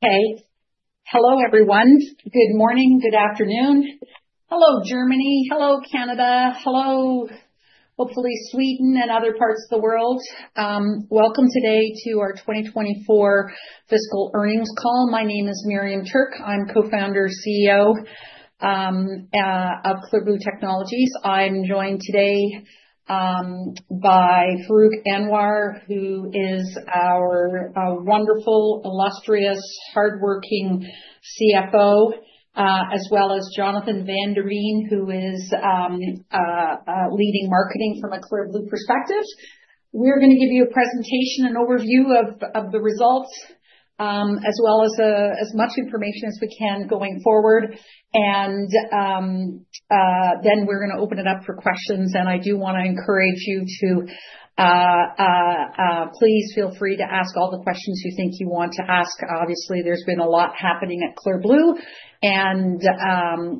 Okay. Hello, everyone. Good morning. Good afternoon. Hello, Germany. Hello, Canada. Hello, hopefully, Sweden and other parts of the world. Welcome today to our 2024 fiscal earnings call. My name is Miriam Tuerk. I'm co-founder and CEO of Clear Blue Technologies. I'm joined today by Farrukh Anwar, who is our wonderful, illustrious, hardworking CFO, as well as Jonathan van der Veen, who is leading marketing from a Clear Blue perspective. We're gonna give you a presentation, an overview of the results, as well as as much information as we can going forward. I do want to encourage you to please feel free to ask all the questions you think you want to ask. Obviously, there's been a lot happening at Clear Blue, and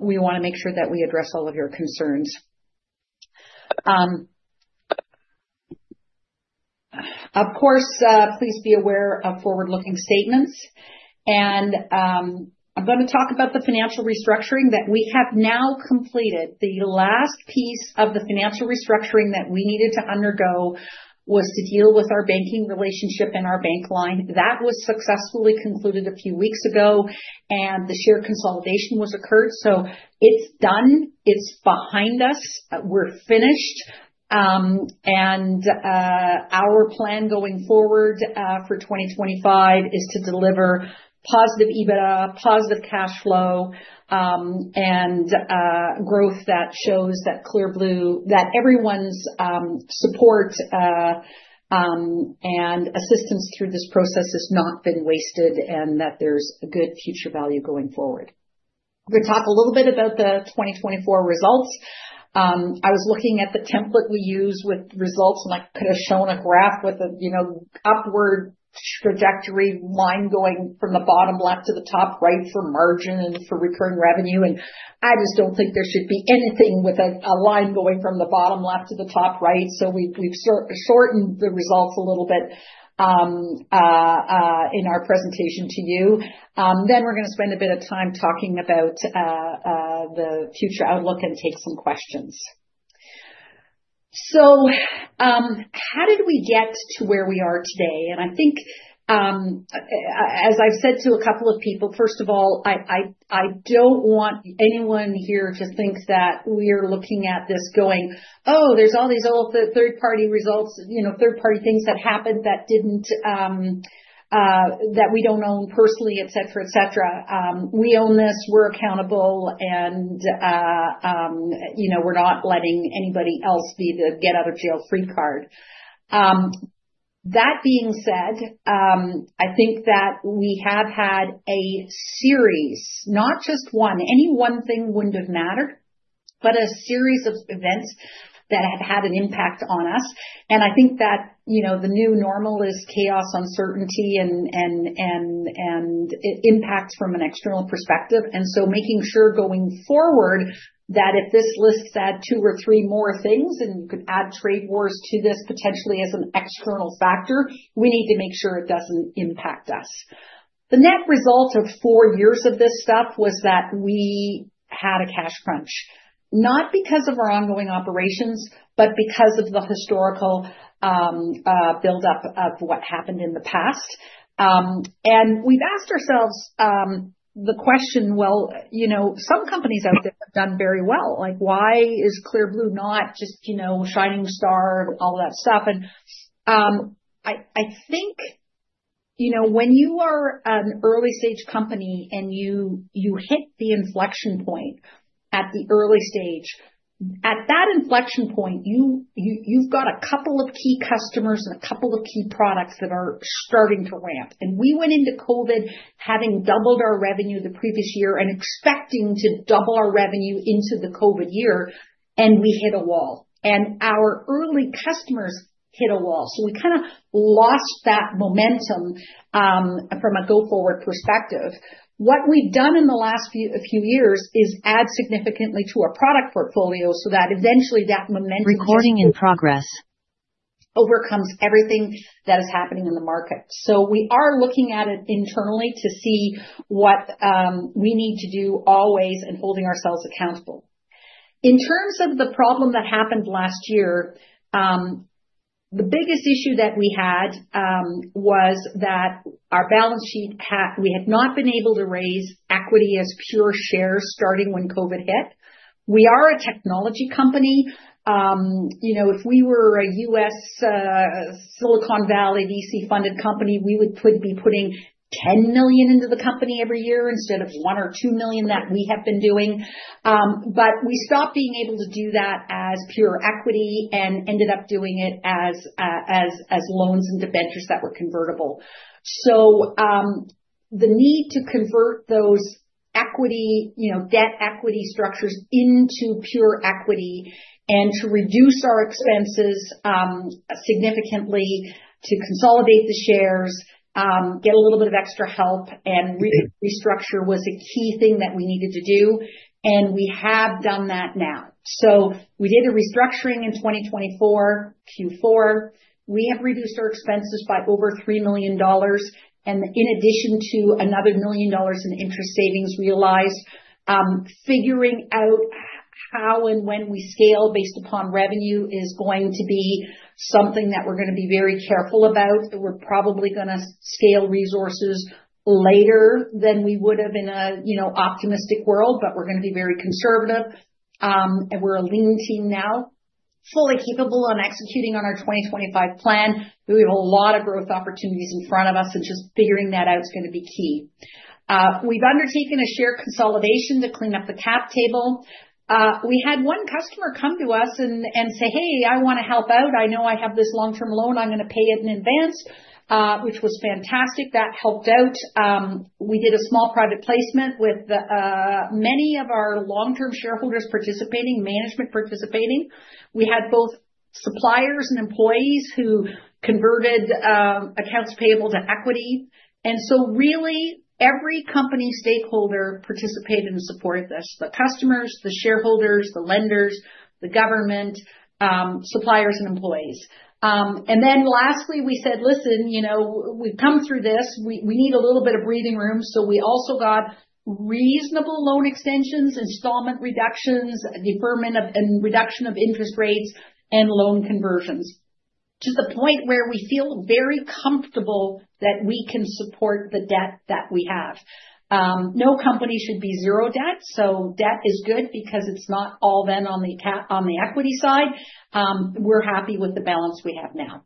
we want to make sure that we address all of your concerns. Of course, please be aware of forward-looking statements. I'm gonna talk about the financial restructuring that we have now completed. The last piece of the financial restructuring that we needed to undergo was to deal with our banking relationship and our bank line. That was successfully concluded a few weeks ago, and the share consolidation occurred. It's done. It's behind us. We're finished. Our plan going forward, for 2025, is to deliver positive EBITDA, positive cash flow, and growth that shows that Clear Blue, that everyone's support and assistance through this process has not been wasted and that there's good future value going forward. We're gonna talk a little bit about the 2024 results. I was looking at the template we use with results, and I could have shown a graph with a, you know, upward trajectory line going from the bottom left to the top right for margin and for recurring revenue. I just don't think there should be anything with a, a line going from the bottom left to the top right. We've shortened the results a little bit, in our presentation to you. We're gonna spend a bit of time talking about the future outlook and take some questions. How did we get to where we are today? I think, as I've said to a couple of people, first of all, I don't want anyone here to think that we are looking at this going, "Oh, there's all these old third-party results, you know, third-party things that happened that didn't, that we don't own personally," etc., etc. We own this. We're accountable. You know, we're not letting anybody else be the get-out-of-jail-free card. That being said, I think that we have had a series, not just one; any one thing wouldn't have mattered, but a series of events that have had an impact on us. I think that, you know, the new normal is chaos, uncertainty, and impacts from an external perspective. Making sure going forward that if this lists out two or three more things and you could add trade wars to this potentially as an external factor, we need to make sure it does not impact us. The net result of four years of this stuff was that we had a cash crunch, not because of our ongoing operations, but because of the historical buildup of what happened in the past. We have asked ourselves the question, "You know, some companies out there have done very well. Like, why is Clear Blue not just, you know, shining star and all that stuff?" I think, you know, when you are an early-stage company and you hit the inflection point at the early stage, at that inflection point, you have got a couple of key customers and a couple of key products that are starting to ramp. We went into COVID having doubled our revenue the previous year and expecting to double our revenue into the COVID year, and we hit a wall, and our early customers hit a wall. We kinda lost that momentum, from a go-forward perspective. What we've done in the last few years is add significantly to our product portfolio so that eventually that momentum shifts. Recording in progress. Overcomes everything that is happening in the market. We are looking at it internally to see what we need to do always and holding ourselves accountable. In terms of the problem that happened last year, the biggest issue that we had was that our balance sheet had not been able to raise equity as pure shares starting when COVID hit. We are a technology company. You know, if we were a U.S., Silicon Valley, VC-funded company, we would be putting 10 million into the company every year instead of 1 million or 2 million that we have been doing. We stopped being able to do that as pure equity and ended up doing it as loans and debentures that were convertible. The need to convert those equity, you know, debt-equity structures into pure equity and to reduce our expenses significantly, to consolidate the shares, get a little bit of extra help and restructure was a key thing that we needed to do. We have done that now. We did a restructuring in 2024, Q4. We have reduced our expenses by over 3 million dollars. In addition to another 1 million dollars in interest savings realized, figuring out how and when we scale based upon revenue is going to be something that we're gonna be very careful about. We're probably gonna scale resources later than we would have in a, you know, optimistic world, but we're gonna be very conservative. We are a lean team now, fully capable on executing on our 2025 plan. We have a lot of growth opportunities in front of us, and just figuring that out's gonna be key. We've undertaken a share consolidation to clean up the cap table. We had one customer come to us and say, "Hey, I wanna help out. I know I have this long-term loan. I'm gonna pay it in advance," which was fantastic. That helped out. We did a small private placement with many of our long-term shareholders participating, management participating. We had both suppliers and employees who converted accounts payable to equity. And so really, every company stakeholder participated and supported this: the customers, the shareholders, the lenders, the government, suppliers, and employees. Lastly, we said, "Listen, you know, we've come through this. We need a little bit of breathing room." We also got reasonable loan extensions, installment reductions, deferment of and reduction of interest rates, and loan conversions to the point where we feel very comfortable that we can support the debt that we have. No company should be zero debt. Debt is good because it's not all then on the cap, on the equity side. We're happy with the balance we have now.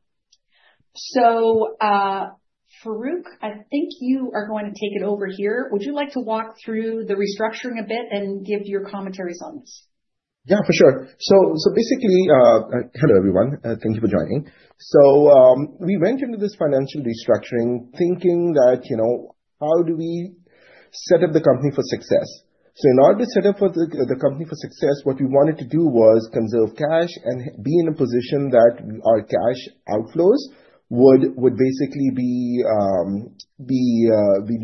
Farrukh, I think you are going to take it over here. Would you like to walk through the restructuring a bit and give your commentaries on this? Yeah, for sure. So basically, hello everyone. Thank you for joining. We went into this financial restructuring thinking that, you know, how do we set up the company for success? In order to set up the company for success, what we wanted to do was conserve cash and be in a position that our cash outflows would basically be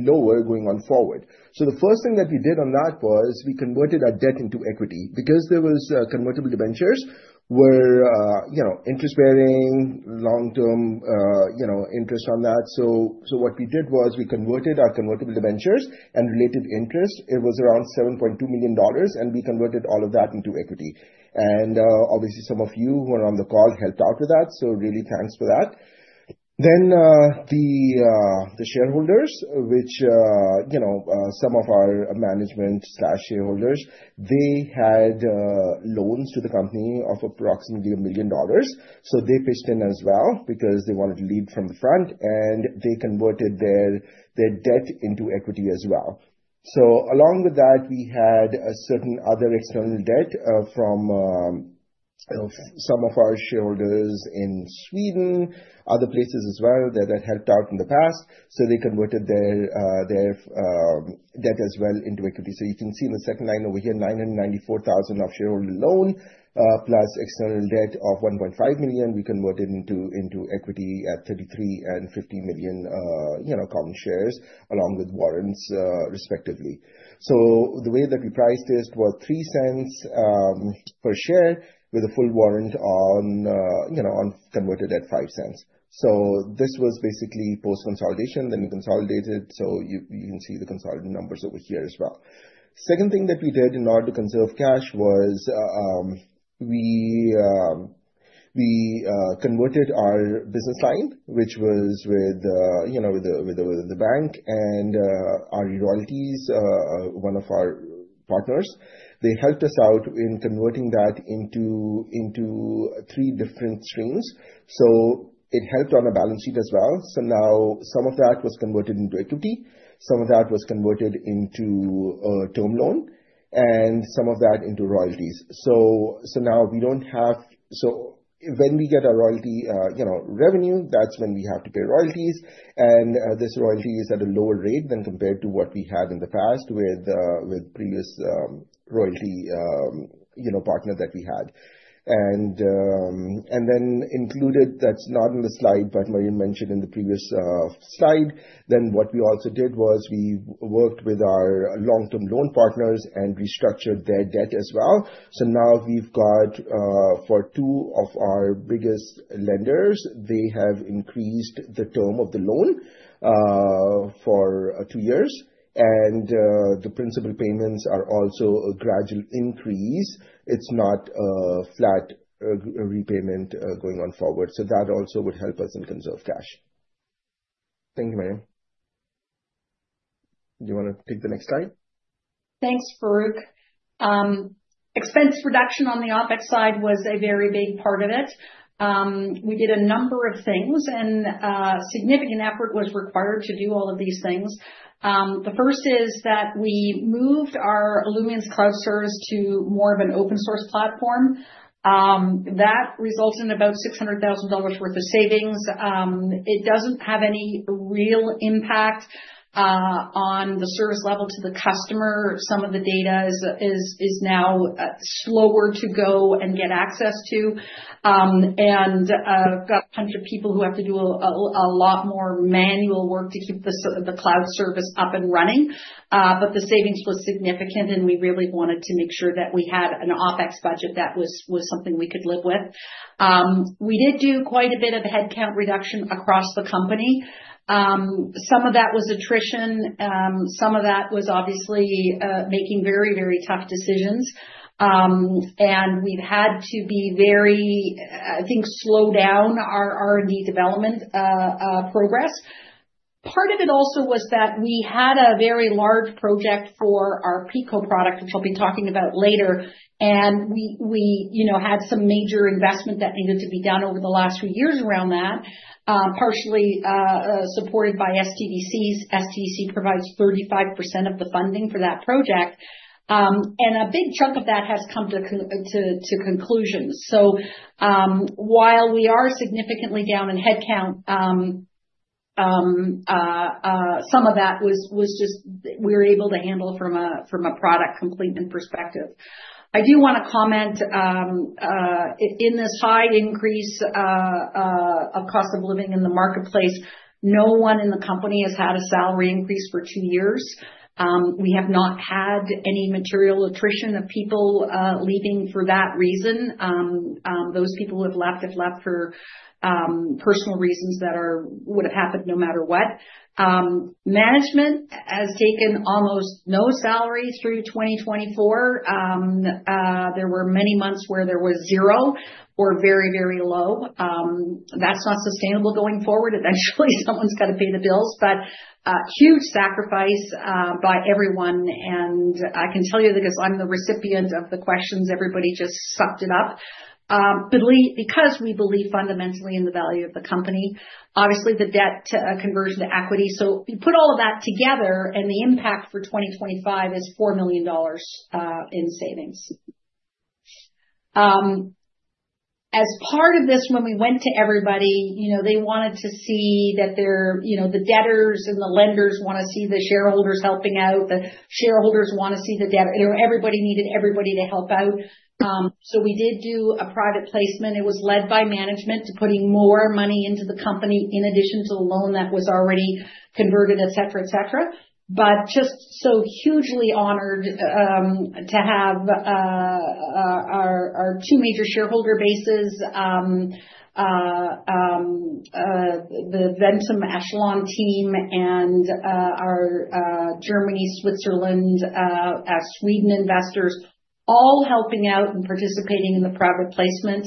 lower going forward. The first thing that we did on that was we converted our debt into equity because there were convertible debentures where, you know, interest-bearing, long-term, you know, interest on that. What we did was we converted our convertible debentures and related interest. It was around 7.2 million dollars, and we converted all of that into equity. Obviously, some of you who are on the call helped out with that. So really, thanks for that. The shareholders, which, you know, some of our management/shareholders, they had loans to the company of approximately 1 million dollars. They pitched in as well because they wanted to lead from the front, and they converted their debt into equity as well. Along with that, we had a certain other external debt from, you know, some of our shareholders in Sweden, other places as well that helped out in the past. They converted their debt as well into equity. You can see in the second line over here, 994,000 of shareholder loan, plus external debt of 1.5 million, we converted into equity at 33 million and 50 million common shares along with warrants, respectively. The way that we priced this was 0.03 per share with a full warrant on converted at 0.05. This was basically post-consolidation. We consolidated. You can see the consolidated numbers over here as well. The second thing that we did in order to conserve cash was, we converted our business line, which was with the bank and our royalties, one of our partners. They helped us out in converting that into three different streams. It helped on our balance sheet as well. Now some of that was converted into equity. Some of that was converted into a term loan and some of that into royalties. Now we do not have, so when we get our royalty revenue, that is when we have to pay royalties. This royalty is at a lower rate than compared to what we had in the past with the previous royalty partner that we had. Then, included, that's not in the slide, but Marian mentioned in the previous slide. What we also did was we worked with our long-term loan partners and restructured their debt as well. Now we've got, for two of our biggest lenders, they have increased the term of the loan for two years. The principal payments are also a gradual increase. It's not a flat repayment going on forward. That also would help us conserve cash. Thank you, Miriam. Do you wanna take the next slide? Thanks, Farrukh. Expense reduction on the OpEx side was a very big part of it. We did a number of things, and significant effort was required to do all of these things. The first is that we moved our Illumience cloud service to more of an open-source platform. That resulted in about 600,000 dollars worth of savings. It doesn't have any real impact on the service level to the customer. Some of the data is now slower to go and get access to. We got a bunch of people who have to do a lot more manual work to keep the cloud service up and running. The savings was significant, and we really wanted to make sure that we had an OpEx budget that was something we could live with. We did do quite a bit of headcount reduction across the company. Some of that was attrition. Some of that was obviously making very, very tough decisions. We have had to be very, I think, slow down our R&D development progress. Part of it also was that we had a very large project for our Pico product, which I will be talking about later. We, you know, had some major investment that needed to be done over the last few years around that, partially supported by SDTCs. SDTC provides 35% of the funding for that project. A big chunk of that has come to conclusions. While we are significantly down in headcount, some of that was just we were able to handle from a product completeness perspective. I do want to comment, in this high increase of cost of living in the marketplace. No one in the company has had a salary increase for two years. We have not had any material attrition of people leaving for that reason. Those people who have left have left for personal reasons that are, would've happened no matter what. Management has taken almost no salaries through 2024. There were many months where there was zero or very, very low. That's not sustainable going forward. Eventually, someone's gotta pay the bills. Huge sacrifice by everyone. I can tell you that 'cause I'm the recipient of the questions, everybody just sucked it up, believe because we believe fundamentally in the value of the company, obviously the debt to conversion to equity. You put all of that together, and the impact for 2025 is 4 million dollars in savings. As part of this, when we went to everybody, you know, they wanted to see that their, you know, the debtors and the lenders wanna see the shareholders helping out. The shareholders wanna see the debtor. Everybody needed everybody to help out. We did do a private placement. It was led by management putting more money into the company in addition to the loan that was already converted, etc., etc. Just so hugely honored to have our two major shareholder bases, the Ventum Echelon team and our Germany, Switzerland, Sweden investors all helping out and participating in the private placement.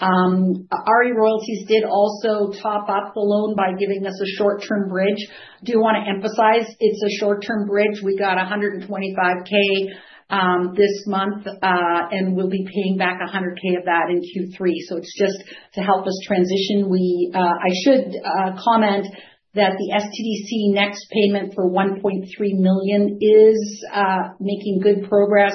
ARI Royalty did also top up the loan by giving us a short-term bridge. I do wanna emphasize it's a short-term bridge. We got 125,000 this month, and we'll be paying back 100,000 of that in Q3. It is just to help us transition. We, I should comment that the SDTC next payment for 1.3 million is making good progress.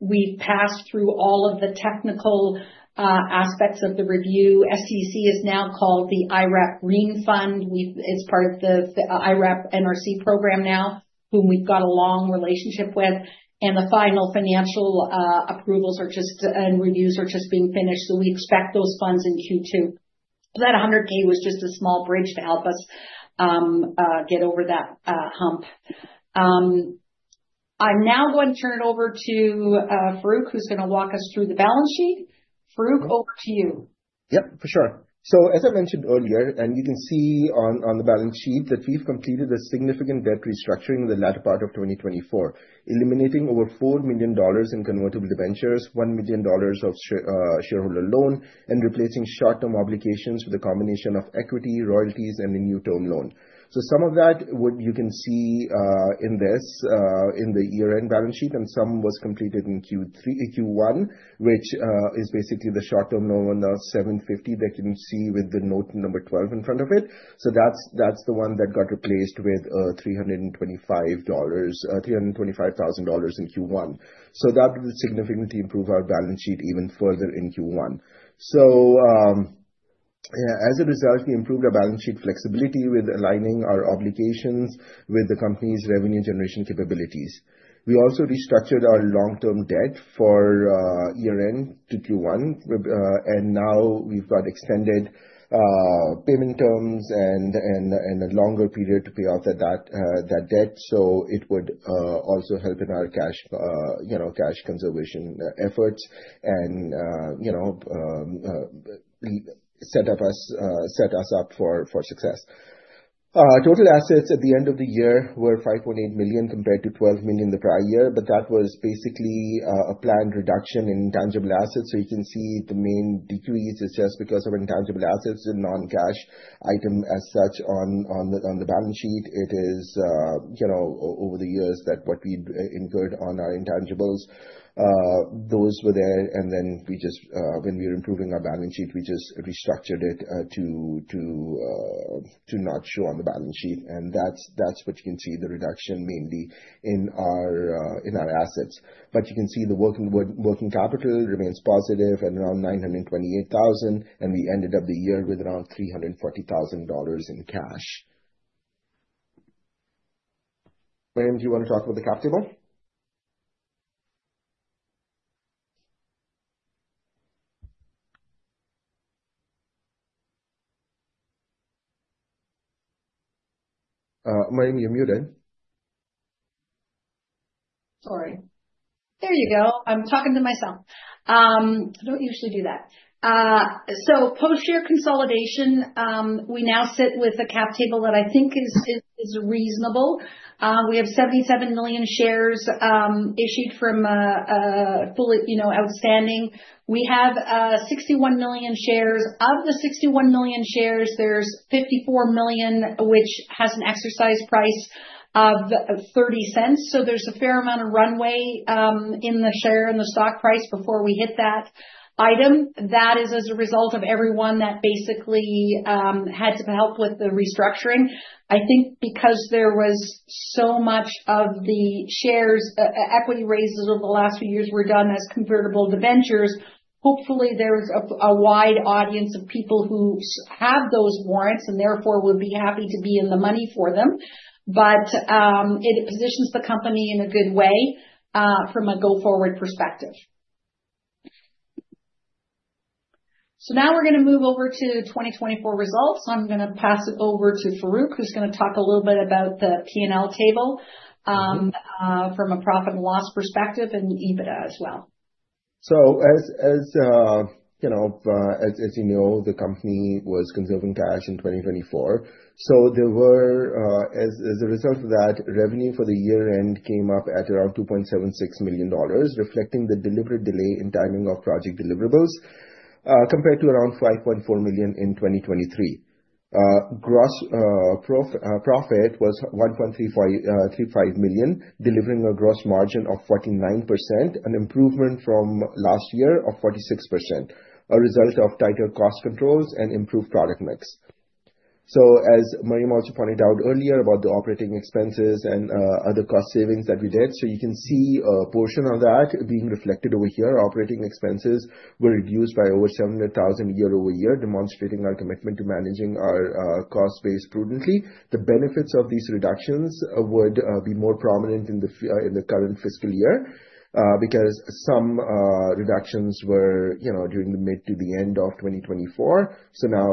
We've passed through all of the technical aspects of the review. STDC is now called the IRAP Green Fund. It's part of the IRAP NRC program now, whom we've got a long relationship with. The final financial approvals and reviews are just being finished. We expect those funds in Q2. That 100,000 was just a small bridge to help us get over that hump. I'm now going to turn it over to Farrukh, who's gonna walk us through the balance sheet. Farrukh, over to you. Yep, for sure. As I mentioned earlier, and you can see on the balance sheet, we've completed a significant debt restructuring in the latter part of 2024, eliminating over 4 million dollars in convertible debentures, 1 million dollars of shareholder loan, and replacing short-term obligations with a combination of equity, royalties, and a new term loan. Some of that you can see in the year-end balance sheet, and some was completed in Q3, Q1, which is basically the short-term loan on the 750,000 that you can see with the note number 12 in front of it. That's the one that got replaced with 325,000 dollars in Q1. That would significantly improve our balance sheet even further in Q1. As a result, we improved our balance sheet flexibility with aligning our obligations with the company's revenue generation capabilities. We also restructured our long-term debt for year-end to Q1, and now we've got extended payment terms and a longer period to pay off that debt. It would also help in our cash, you know, cash conservation efforts and, you know, set us up for success. Total assets at the end of the year were 5.8 million compared to 12 million the prior year, but that was basically a planned reduction in intangible assets. You can see the main decrease is just because of intangible assets, a non-cash item as such on the balance sheet. It is, you know, over the years that what we incurred on our intangibles, those were there. When we were improving our balance sheet, we just restructured it to not show on the balance sheet. That's what you can see, the reduction mainly in our assets. You can see the working capital remains positive at around 928,000, and we ended up the year with around 340,000 dollars in cash. Miriam, do you wanna talk about the cap table? Miriam, you're muted. Sorry. There you go. I'm talking to myself. I don't usually do that. Post-year consolidation, we now sit with a cap table that I think is reasonable. We have 77 million shares issued, fully outstanding. We have 61 million shares. Of the 61 million shares, there are 54 million which has an exercise price of 0.30. There is a fair amount of runway in the share and the stock price before we hit that item. That is as a result of everyone that basically had to help with the restructuring. I think because there was so much of the shares, equity raises over the last few years were done as convertible debentures, hopefully there is a wide audience of people who have those warrants and therefore would be happy to be in the money for them. It positions the company in a good way, from a go-forward perspective. Now we're gonna move over to 2024 results. I'm gonna pass it over to Farrukh, who's gonna talk a little bit about the P&L table, from a profit and loss perspective and EBITDA as well. As you know, the company was conserving cash in 2024. As a result of that, revenue for the year-end came up at around 2.76 million dollars, reflecting the deliberate delay in timing of project deliverables, compared to around 5.4 million in 2023. Gross profit was 1.35 million, delivering a gross margin of 49%, an improvement from last year of 46%, a result of tighter cost controls and improved product mix. As Miriam also pointed out earlier about the operating expenses and other cost savings that we did, you can see a portion of that being reflected over here. Operating expenses were reduced by over 700,000 year over year, demonstrating our commitment to managing our cost base prudently. The benefits of these reductions would be more prominent in the current fiscal year, because some reductions were, you know, during the mid to the end of 2024. Now,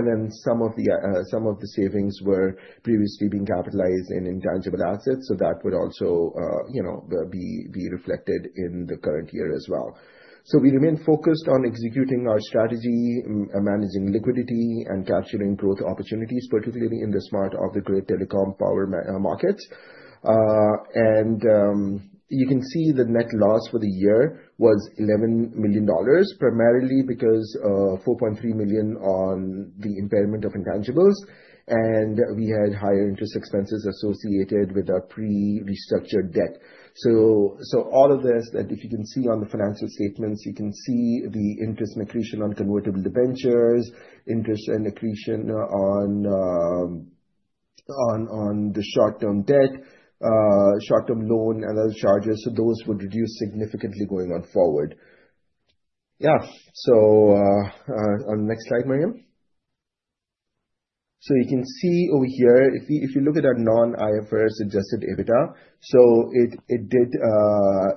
some of the savings were previously being capitalized in intangible assets. That would also, you know, be reflected in the current year as well. We remain focused on executing our strategy, managing liquidity, and capturing growth opportunities, particularly in the smart off-grid telecom power markets. You can see the net loss for the year was 11 million dollars, primarily because of 4.3 million on the impairment of intangibles, and we had higher interest expenses associated with our pre-restructured debt. All of this that if you can see on the financial statements, you can see the interest accretion on convertible debentures, interest and accretion on the short-term debt, short-term loan, and other charges. Those would reduce significantly going on forward. Yeah. On the next slide, Miriam. You can see over here, if you look at our non-IFRS suggested EBITDA, it did,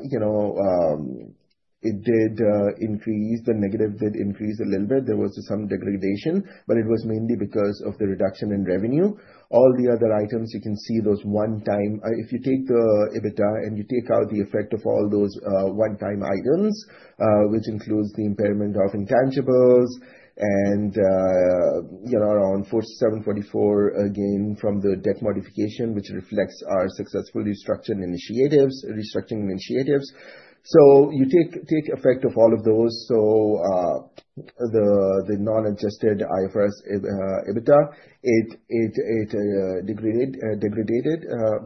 you know, it did increase. The negative did increase a little bit. There was some degradation, but it was mainly because of the reduction in revenue. All the other items, you can see those one-time, if you take the EBITDA and you take out the effect of all those one-time items, which includes the impairment of intangibles and, you know, around 4,744 again from the debt modification, which reflects our successful restructuring initiatives, restructuring initiatives. You take effect of all of those. The non-adjusted IFRS EBITDA, it degraded,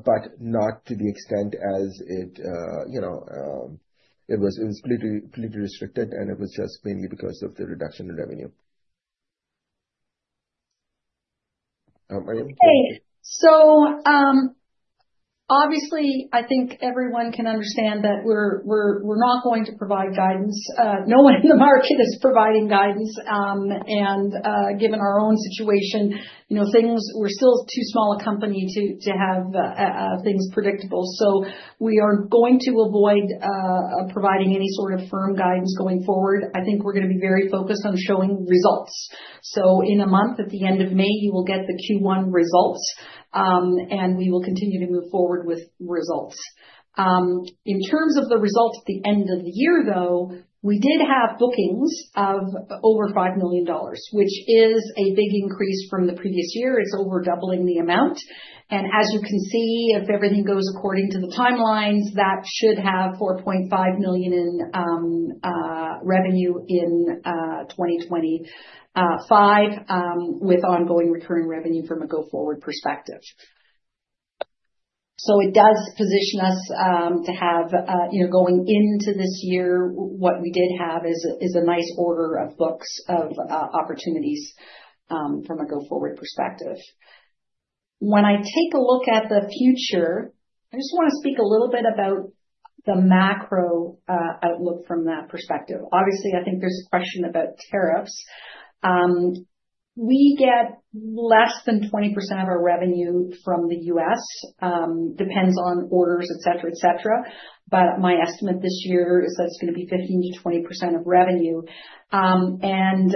but not to the extent as it was completely, completely restricted, and it was just mainly because of the reduction in revenue. Miriam. Okay. Obviously, I think everyone can understand that we're not going to provide guidance. No one in the market is providing guidance, and given our own situation, you know, things, we're still too small a company to have things predictable. We are going to avoid providing any sort of firm guidance going forward. I think we're gonna be very focused on showing results. In a month, at the end of May, you will get the Q1 results, and we will continue to move forward with results. In terms of the results at the end of the year, though, we did have bookings of over 5 million dollars, which is a big increase from the previous year. It's over doubling the amount. As you can see, if everything goes according to the timelines, that should have 4.5 million in revenue in 2025, with ongoing recurring revenue from a go-forward perspective. It does position us to have, you know, going into this year, what we did have is a nice order book of opportunities from a go-forward perspective. When I take a look at the future, I just want to speak a little bit about the macro outlook from that perspective. Obviously, I think there's a question about tariffs. We get less than 20% of our revenue from the U.S., depends on orders, etc., etc. My estimate this year is that's going to be 15%-20% of revenue. We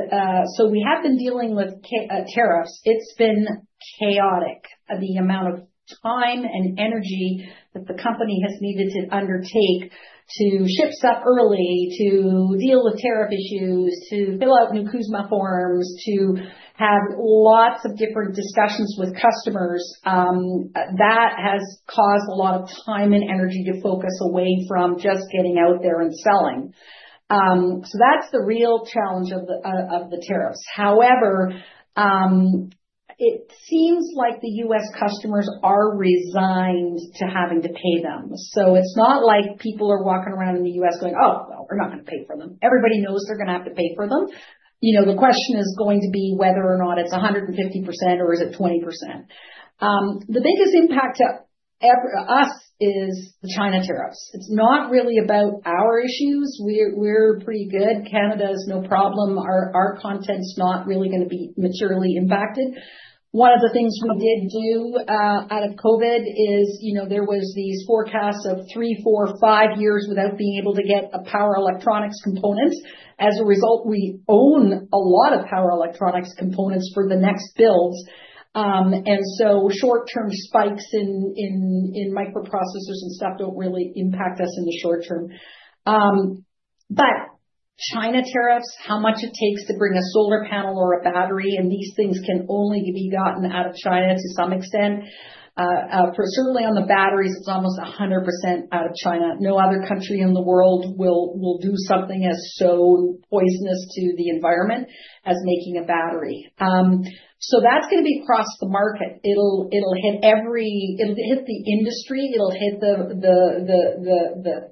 have been dealing with tariffs. It's been chaotic. The amount of time and energy that the company has needed to undertake to ship stuff early, to deal with tariff issues, to fill out new CUSMA forms, to have lots of different discussions with customers, that has caused a lot of time and energy to focus away from just getting out there and selling. That's the real challenge of the tariffs. However, it seems like the U.S. customers are resigned to having to pay them. It's not like people are walking around in the U.S. going, "Oh, well, we're not gonna pay for them." Everybody knows they're gonna have to pay for them. You know, the question is going to be whether or not it's 150% or is it 20%. The biggest impact to us is the China tariffs. It's not really about our issues. We're pretty good. Canada is no problem. Our content's not really gonna be materially impacted. One of the things we did do, out of COVID is, you know, there were these forecasts of three, four, five years without being able to get a power electronics component. As a result, we own a lot of power electronics components for the next builds. And so short-term spikes in microprocessors and stuff do not really impact us in the short term. China tariffs, how much it takes to bring a solar panel or a battery, and these things can only be gotten out of China to some extent. For certainly on the batteries, it's almost 100% out of China. No other country in the world will do something as so poisonous to the environment as making a battery. That's gonna be across the market. It'll hit every, it'll hit the industry, it'll hit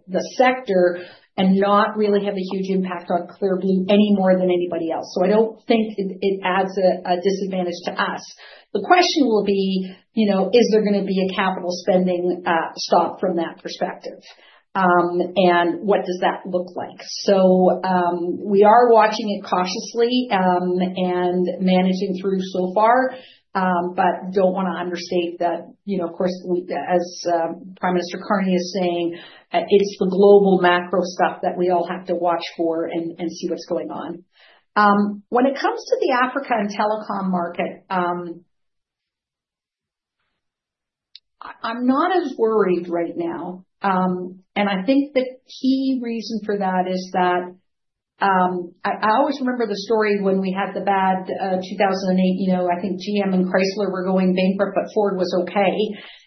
the sector and not really have a huge impact on Clear Blue any more than anybody else. I don't think it adds a disadvantage to us. The question will be, you know, is there gonna be a capital spending stop from that perspective? And what does that look like? We are watching it cautiously, and managing through so far, but don't wanna understate that, you know, of course, as Mark Carney is saying, it's the global macro stuff that we all have to watch for and see what's going on. When it comes to the Africa and telecom market, I'm not as worried right now. I think the key reason for that is that I always remember the story when we had the bad 2008, you know, I think GM and Chrysler were going bankrupt, but Ford was okay.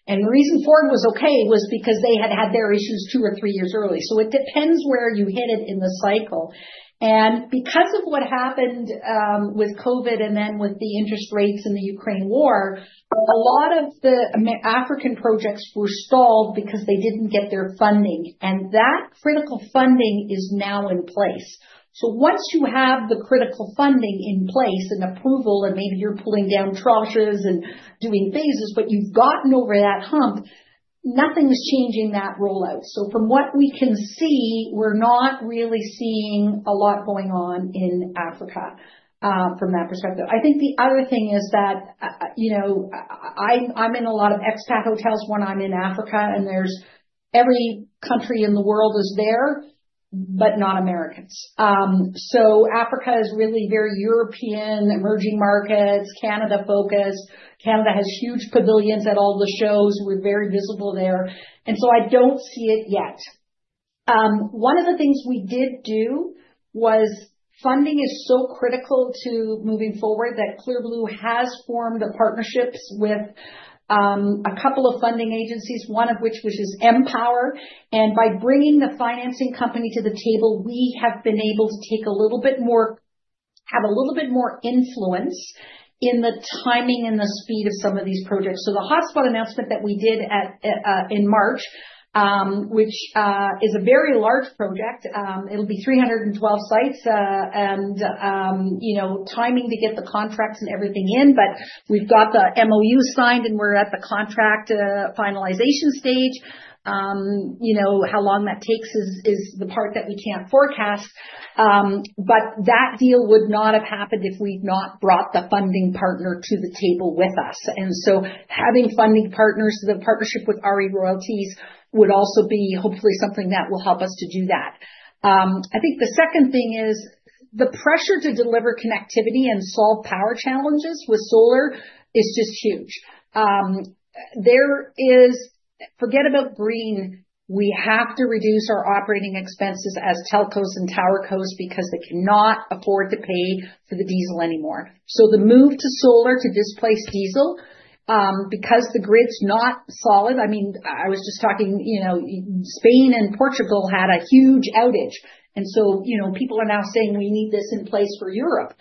The reason Ford was okay was because they had had their issues two or three years early. It depends where you hit it in the cycle. Because of what happened with COVID and then with the interest rates and the Ukraine war, a lot of the American projects were stalled because they did not get their funding. That critical funding is now in place. Once you have the critical funding in place and approval, and maybe you are pulling down troughs and doing phases, but you have gotten over that hump, nothing is changing that rollout. From what we can see, we're not really seeing a lot going on in Africa, from that perspective. I think the other thing is that, you know, I'm in a lot of expat hotels when I'm in Africa, and every country in the world is there, but not Americans. Africa is really very European, emerging markets, Canada focus. Canada has huge pavilions at all the shows. We're very visible there. I don't see it yet. One of the things we did do was funding is so critical to moving forward that Clear Blue has formed partnerships with a couple of funding agencies, one of which was just MPOWER. By bringing the financing company to the table, we have been able to take a little bit more, have a little bit more influence in the timing and the speed of some of these projects. The hotspot announcement that we did at, in March, which is a very large project, it'll be 312 sites, and, you know, timing to get the contracts and everything in, but we've got the MOU signed and we're at the contract finalization stage. You know, how long that takes is the part that we can't forecast. That deal would not have happened if we'd not brought the funding partner to the table with us. Having funding partners, the partnership with Ari Royalty would also be hopefully something that will help us to do that. I think the second thing is the pressure to deliver connectivity and solve power challenges with solar is just huge. There is, forget about green. We have to reduce our operating expenses as telcos and towercos because they cannot afford to pay for the diesel anymore. The move to solar to displace diesel, because the grid's not solid. I mean, I was just talking, you know, Spain and Portugal had a huge outage. You know, people are now saying we need this in place for Europe.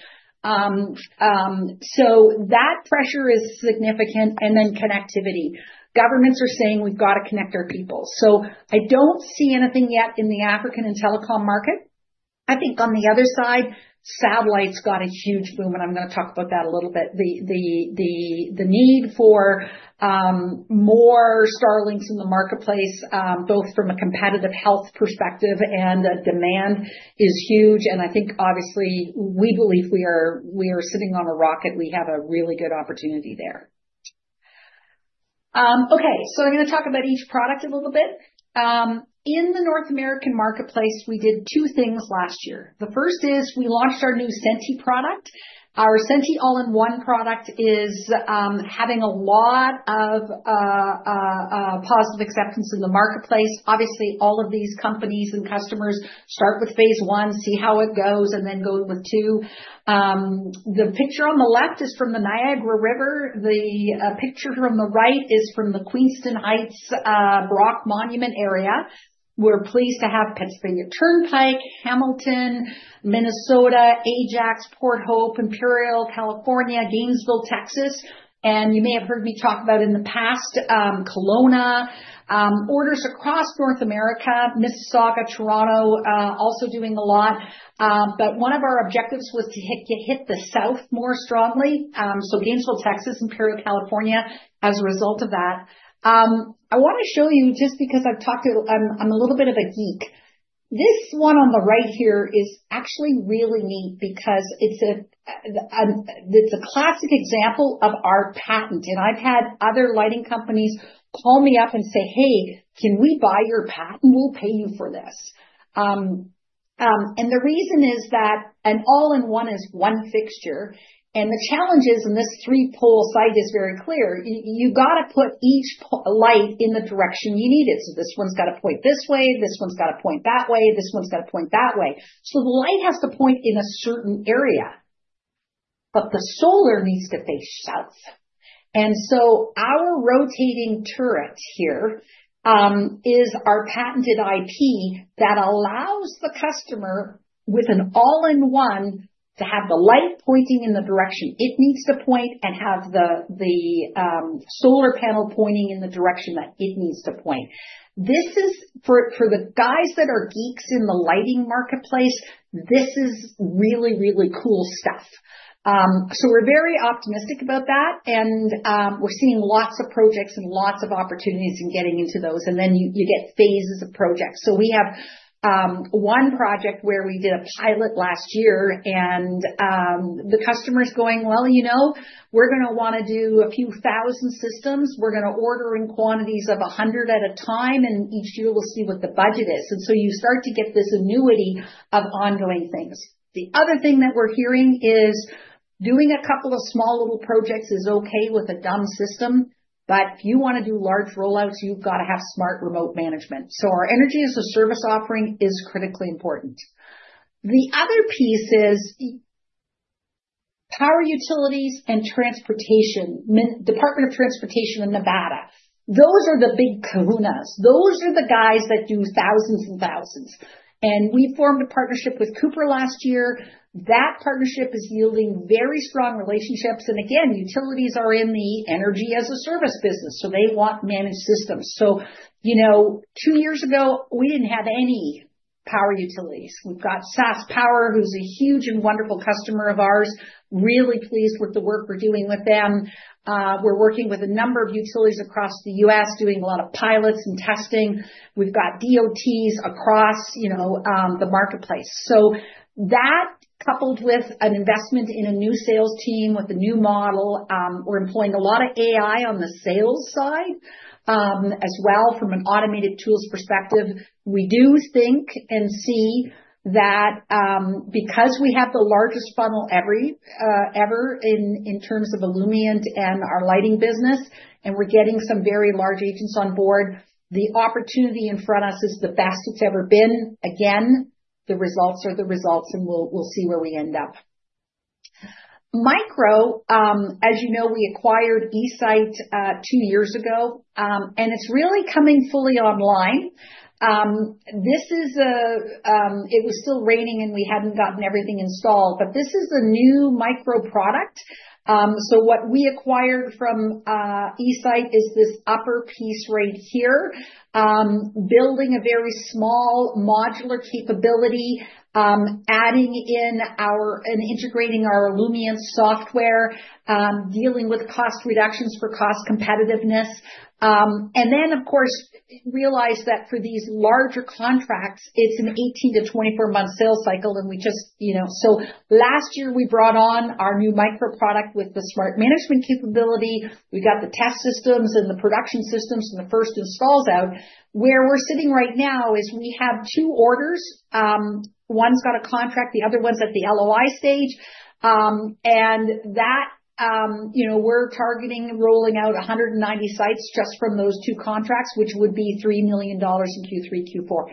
That pressure is significant. And then connectivity. Governments are saying we've gotta connect our people. I don't see anything yet in the African and telecom market. I think on the other side, satellites got a huge boom, and I'm gonna talk about that a little bit. The need for more Starlinks in the marketplace, both from a competitive health perspective and a demand, is huge. I think obviously we believe we are sitting on a rocket. We have a really good opportunity there. Okay. I'm gonna talk about each product a little bit. In the North American marketplace, we did two things last year. The first is we launched our new SENTI product. Our SENTI all-in-one product is having a lot of positive acceptance in the marketplace. Obviously, all of these companies and customers start with phase one, see how it goes, and then go with two. The picture on the left is from the Niagara River. The picture from the right is from the Queenston Heights, Brock Monument area. We're pleased to have Pennsylvania Turnpike, Hamilton, Minnesota, Ajax, Port Hope, Imperial, California, Gainesville, Texas. You may have heard me talk about in the past, Kelowna, orders across North America, Mississauga, Toronto, also doing a lot. One of our objectives was to hit the south more strongly. Gainesville, Texas, Imperial, California as a result of that. I wanna show you just because I've talked to, I'm a little bit of a geek. This one on the right here is actually really neat because it's a classic example of our patent. I've had other lighting companies call me up and say, "Hey, can we buy your patent? We'll pay you for this." The reason is that an all-in-one is one fixture. The challenge is, and this three-pole site is very clear. You gotta put each light in the direction you need it. This one's gotta point this way. This one's gotta point that way. This one's gotta point that way. The light has to point in a certain area, but the solar needs to face south. Our rotating turret here is our patented IP that allows the customer with an all-in-one to have the light pointing in the direction it needs to point and have the solar panel pointing in the direction that it needs to point. This is for the guys that are geeks in the lighting marketplace. This is really, really cool stuff. We are very optimistic about that. We are seeing lots of projects and lots of opportunities in getting into those. You get phases of projects. We have one project where we did a pilot last year and the customer's going, "Well, you know, we're gonna wanna do a few thousand systems. We're gonna order in quantities of 100 at a time, and each year we'll see what the budget is." You start to get this annuity of ongoing things. The other thing that we're hearing is doing a couple of small little projects is okay with a dumb system, but if you wanna do large rollouts, you've gotta have smart remote management. Our energy as a service offering is critically important. The other piece is power utilities and transportation, Department of Transportation in Nevada. Those are the big kahunas. Those are the guys that do thousands and thousands. We formed a partnership with Cooper last year. That partnership is yielding very strong relationships. Utilities are in the energy as a service business, so they want managed systems. You know, two years ago, we didn't have any power utilities. We've got SAS Power, who's a huge and wonderful customer of ours. Really pleased with the work we're doing with them. We're working with a number of utilities across the U.S., doing a lot of pilots and testing. We've got DOTs across, you know, the marketplace. That, coupled with an investment in a new sales team with a new model, we're employing a lot of AI on the sales side as well from an automated tools perspective. We do think and see that, because we have the largest funnel ever in terms of Illumience and our lighting business, and we're getting some very large agents on board, the opportunity in front of us is the best it's ever been. Again, the results are the results, and we'll see where we end up. Micro, as you know, we acquired E-Site two years ago, and it's really coming fully online. This is a, it was still raining and we had not gotten everything installed, but this is a new Micro product. What we acquired from E-Site is this upper piece right here, building a very small modular capability, adding in our, and integrating our Illumience software, dealing with cost reductions for cost competitiveness. Then of course realize that for these larger contracts, it is an 18-24 month sales cycle and we just, you know, last year we brought on our new Micro product with the smart management capability. We got the test systems and the production systems and the first installs out. Where we are sitting right now is we have two orders. One has got a contract, the other one is at the LOI stage. That, you know, we are targeting rolling out 190 sites just from those two contracts, which would be 3 million dollars in Q3, Q4.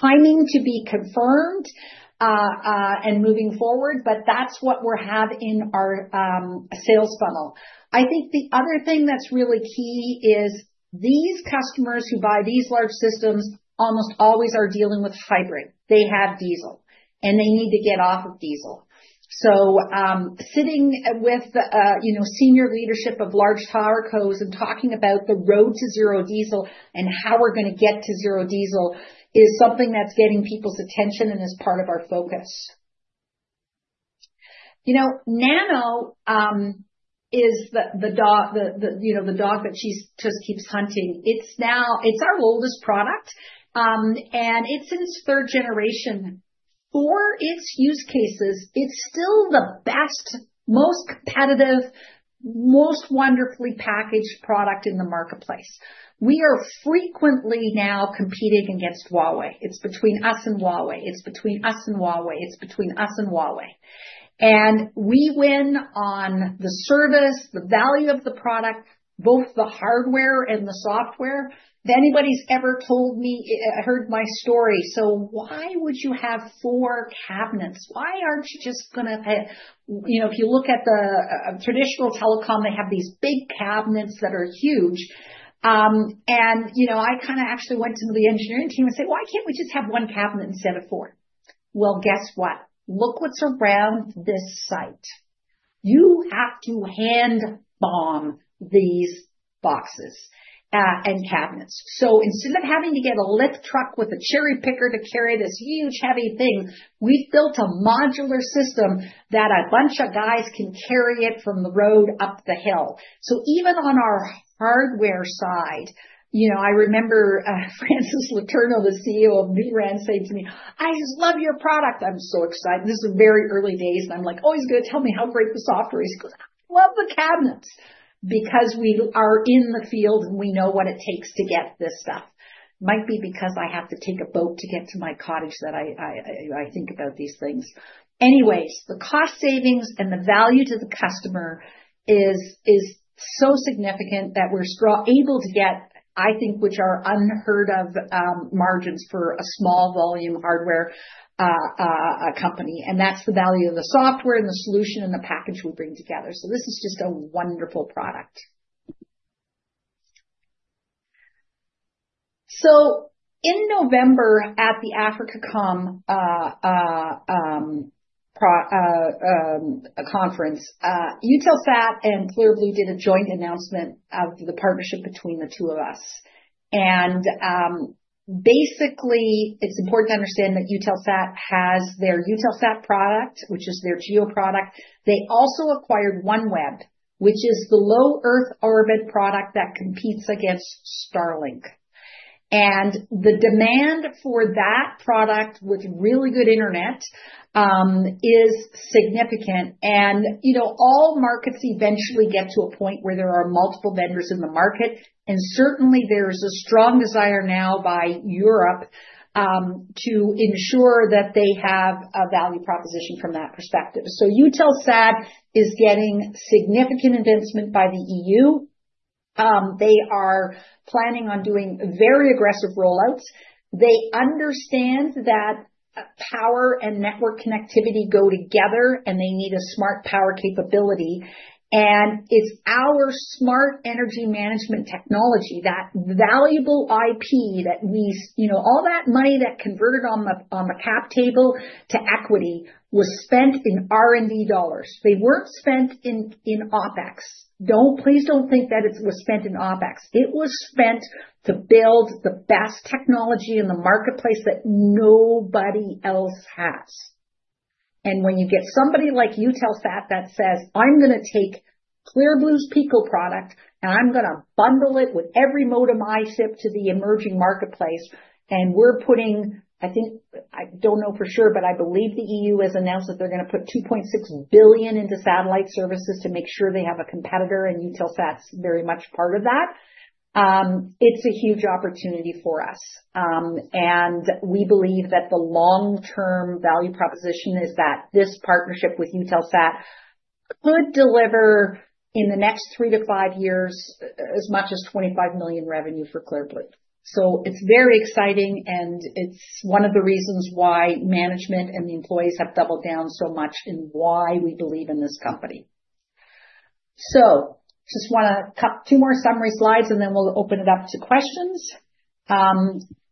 Timing to be confirmed, and moving forward, but that's what we're having in our sales funnel. I think the other thing that's really key is these customers who buy these large systems almost always are dealing with hybrid. They have diesel and they need to get off of diesel. Sitting with, you know, senior leadership of large towercos and talking about the road to zero diesel and how we're gonna get to zero diesel is something that's getting people's attention and is part of our focus. You know, Nano is the, the dog, the, you know, the dog that she just keeps hunting. It's now, it's our oldest product, and it's in third generation. For its use cases, it's still the best, most competitive, most wonderfully packaged product in the marketplace. We are frequently now competing against Huawei. It's between us and Huawei. It's between us and Huawei. It's between us and Huawei. And we win on the service, the value of the product, both the hardware and the software. If anybody's ever told me, heard my story, so why would you have four cabinets? Why aren't you just gonna, you know, if you look at the traditional telecom, they have these big cabinets that are huge. You know, I kind of actually went to the engineering team and said, "Why can't we just have one cabinet instead of four?" Guess what? Look what's around this site. You have to hand bomb these boxes, and cabinets. So instead of having to get a lift truck with a cherry picker to carry this huge heavy thing, we've built a modular system that a bunch of guys can carry it from the road up the hill. Even on our hardware side, you know, I remember Francis Letourneau, the CEO of NuRAN, said to me, "I just love your product. I'm so excited." This is very early days and I'm like, "Oh, he's gonna tell me how great the software is." He goes, "I love the cabinets because we are in the field and we know what it takes to get this stuff." Might be because I have to take a boat to get to my cottage that I think about these things. Anyways, the cost savings and the value to the customer is so significant that we're strong able to get, I think, which are unheard of, margins for a small volume hardware company. That's the value of the software and the solution and the package we bring together. This is just a wonderful product. In November at the AfricaCom pro conference, Eutelsat and Clear Blue did a joint announcement of the partnership between the two of us. Basically, it's important to understand that Eutelsat has their Eutelsat product, which is their geo product. They also acquired OneWeb, which is the low Earth orbit product that competes against Starlink. The demand for that product with really good internet is significant. You know, all markets eventually get to a point where there are multiple vendors in the market. Certainly, there's a strong desire now by Europe to ensure that they have a value proposition from that perspective. Eutelsat is getting significant advancement by the E.U. They are planning on doing very aggressive rollouts. They understand that power and network connectivity go together and they need a smart power capability. It is our smart energy management technology, that valuable IP that we, you know, all that money that converted on the cap table to equity was spent in R&D dollars. They were not spent in OpEx. Please do not think that it was spent in OpEx. It was spent to build the best technology in the marketplace that nobody else has. When you get somebody like Eutelsat that says, "I'm gonna take Clear Blue's Pico product and I'm gonna bundle it with every modem I ship to the emerging marketplace." And we are putting, I think, I do not know for sure, but I believe the E.U. has announced that they are gonna put 2.6 billion into satellite services to make sure they have a competitor. Eutelsat is very much part of that. It is a huge opportunity for us. We believe that the long-term value proposition is that this partnership with Eutelsat could deliver in the next three to five years as much as 25 million revenue for Clear Blue. It is very exciting and it is one of the reasons why management and the employees have doubled down so much in why we believe in this company. I just want to cut to two more summary slides and then we will open it up to questions.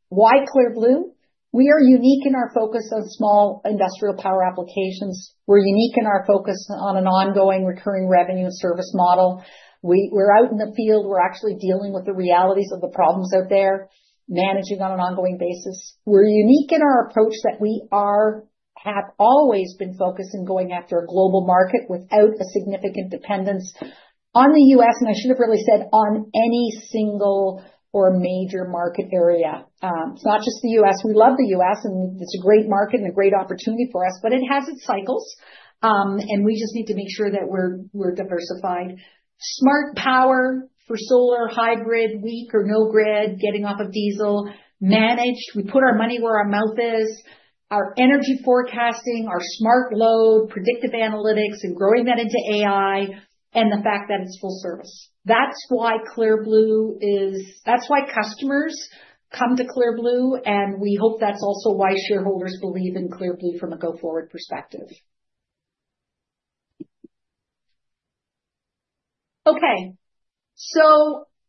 Why Clear Blue? We are unique in our focus on small industrial power applications. We are unique in our focus on an ongoing recurring revenue and service model. We are out in the field. We are actually dealing with the realities of the problems out there, managing on an ongoing basis. We are unique in our approach that we have always been focused on going after a global market without a significant dependence on the U.S. I should have really said on any single or major market area. It's not just the U.S. We love the U.S. and it's a great market and a great opportunity for us, but it has its cycles. We just need to make sure that we're diversified. Smart power for solar, hybrid, weak or no grid, getting off of diesel, managed. We put our money where our mouth is. Our energy forecasting, our smart load, predictive analytics, and growing that into AI and the fact that it's full service. That's why Clear Blue is, that's why customers come to Clear Blue. We hope that's also why shareholders believe in Clear Blue from a go forward perspective.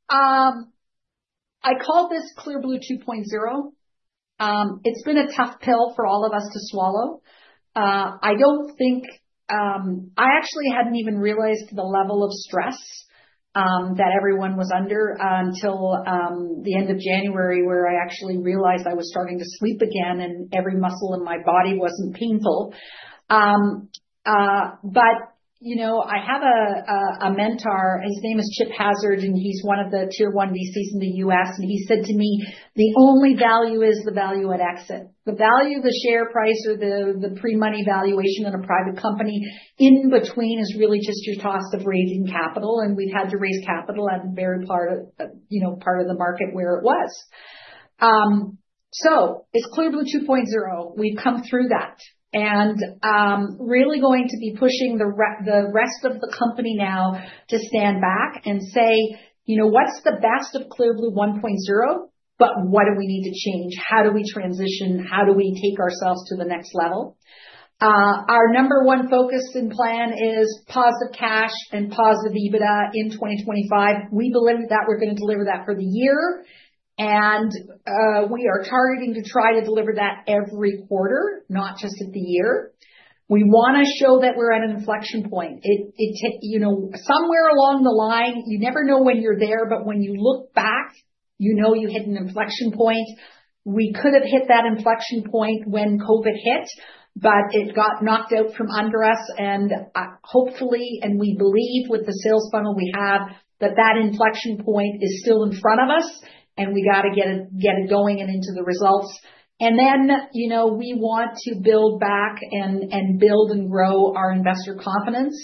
I call this Clear Blue 2.0. It's been a tough pill for all of us to swallow. I don't think, I actually hadn't even realized the level of stress that everyone was under until the end of January where I actually realized I was starting to sleep again and every muscle in my body wasn't painful. You know, I have a mentor, his name is Chip Hazard, and he's one of the tier one VCs in the U.S. He said to me, "The only value is the value at exit. The value of the share price or the pre-money valuation in a private company in between is really just your cost of raising capital." We've had to raise capital at the very part of, you know, part of the market where it was. It is Clear Blue 2.0. We've come through that and, really going to be pushing the rest of the company now to stand back and say, you know, "What's the best of Clear Blue 1.0, but what do we need to change? How do we transition? How do we take ourselves to the next level?" Our number one focus and plan is positive cash and positive EBITDA in 2025. We believe that we're gonna deliver that for the year. We are targeting to try to deliver that every quarter, not just at the year. We wanna show that we're at an inflection point. It, you know, somewhere along the line, you never know when you're there, but when you look back, you know you hit an inflection point. We could have hit that inflection point when COVID hit, but it got knocked out from under us. Hopefully, and we believe with the sales funnel we have, that that inflection point is still in front of us and we gotta get it, get it going and into the results. You know, we want to build back and build and grow our investor confidence.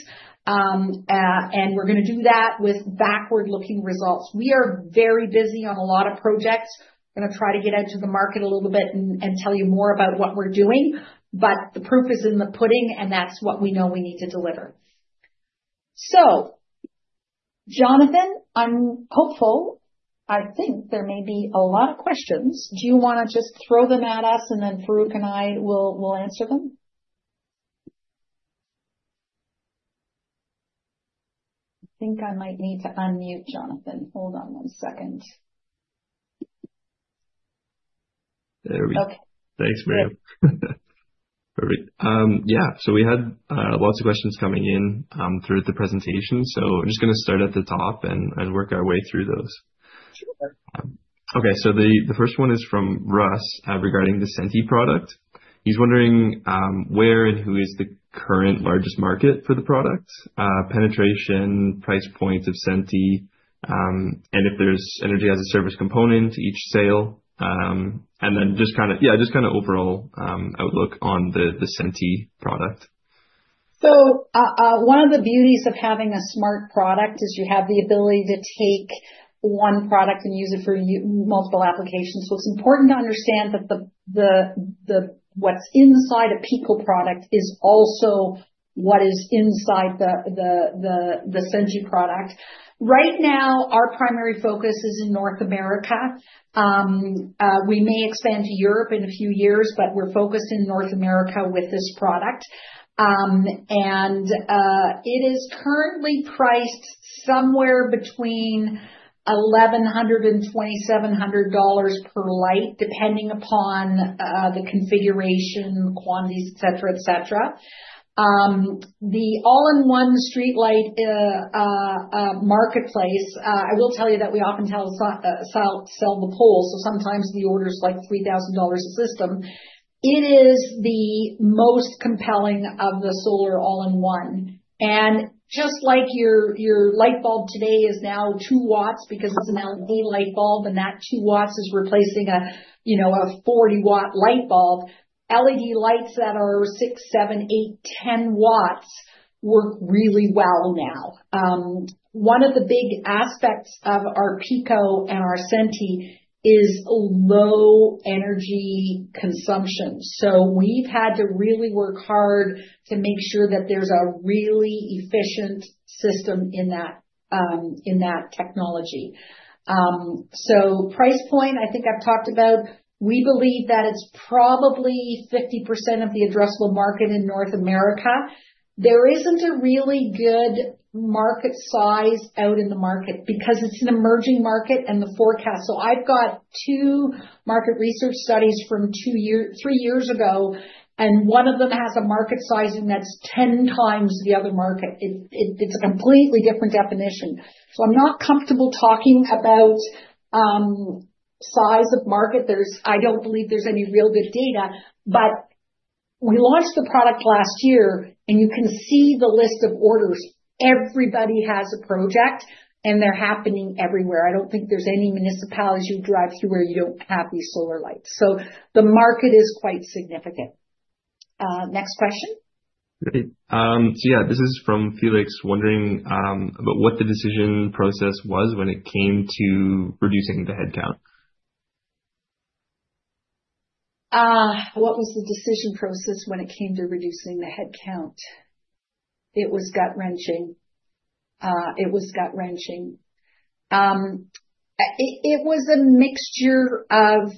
We're gonna do that with backward looking results. We are very busy on a lot of projects. We're gonna try to get out to the market a little bit and tell you more about what we're doing. The proof is in the pudding and that's what we know we need to deliver. Jonathan, I'm hopeful. I think there may be a lot of questions. Do you wanna just throw them at us and then Farrukh and I will answer them? I think I might need to unmute, Jonathan. Hold on one second. There we go. Okay. Thanks, Miriam. Perfect. Yeah. So we had lots of questions coming in throughout the presentation. I'm just gonna start at the top and work our way through those. Sure. Okay. The first one is from Russ, regarding the SENTI product. He's wondering where and who is the current largest market for the product, penetration, price points of SENTI, and if there's energy as a service component to each sale. Just kind of overall outlook on the SENTI product. One of the beauties of having a smart product is you have the ability to take one product and use it for multiple applications. It's important to understand that what's inside a Pico product is also what is inside the SENTI product. Right now, our primary focus is in North America. We may expand to Europe in a few years, but we're focused in North America with this product. It is currently priced somewhere between 1,100 and CAD 2,700 per light, depending upon the configuration, quantities, et cetera, et cetera. The all-in-one streetlight marketplace, I will tell you that we often sell, sell, sell the pole. Sometimes the order's like 3,000 dollars a system. It is the most compelling of the solar all-in-one. Just like your light bulb today is now 2 watts because it's an LED light bulb and that 2 watts is replacing a, you know, a 40-watt light bulb. LED lights that are 6, 7, 8, 10 watts work really well now. One of the big aspects of our Pico and our SENTI is low energy consumption. We've had to really work hard to make sure that there's a really efficient system in that, in that technology. Price point, I think I've talked about. We believe that it's probably 50% of the addressable market in North America. There isn't a really good market size out in the market because it's an emerging market and the forecast. I've got two market research studies from two years, three years ago, and one of them has a market sizing that's 10 times the other market. It's a completely different definition. I'm not comfortable talking about size of market. I don't believe there's any real good data, but we launched the product last year and you can see the list of orders. Everybody has a project and they're happening everywhere. I don't think there's any municipalities you drive through where you don't have these solar lights. The market is quite significant. Next question. Great. This is from Felix wondering about what the decision process was when it came to reducing the headcount. What was the decision process when it came to reducing the headcount? It was gut wrenching. It was gut wrenching. It was a mixture of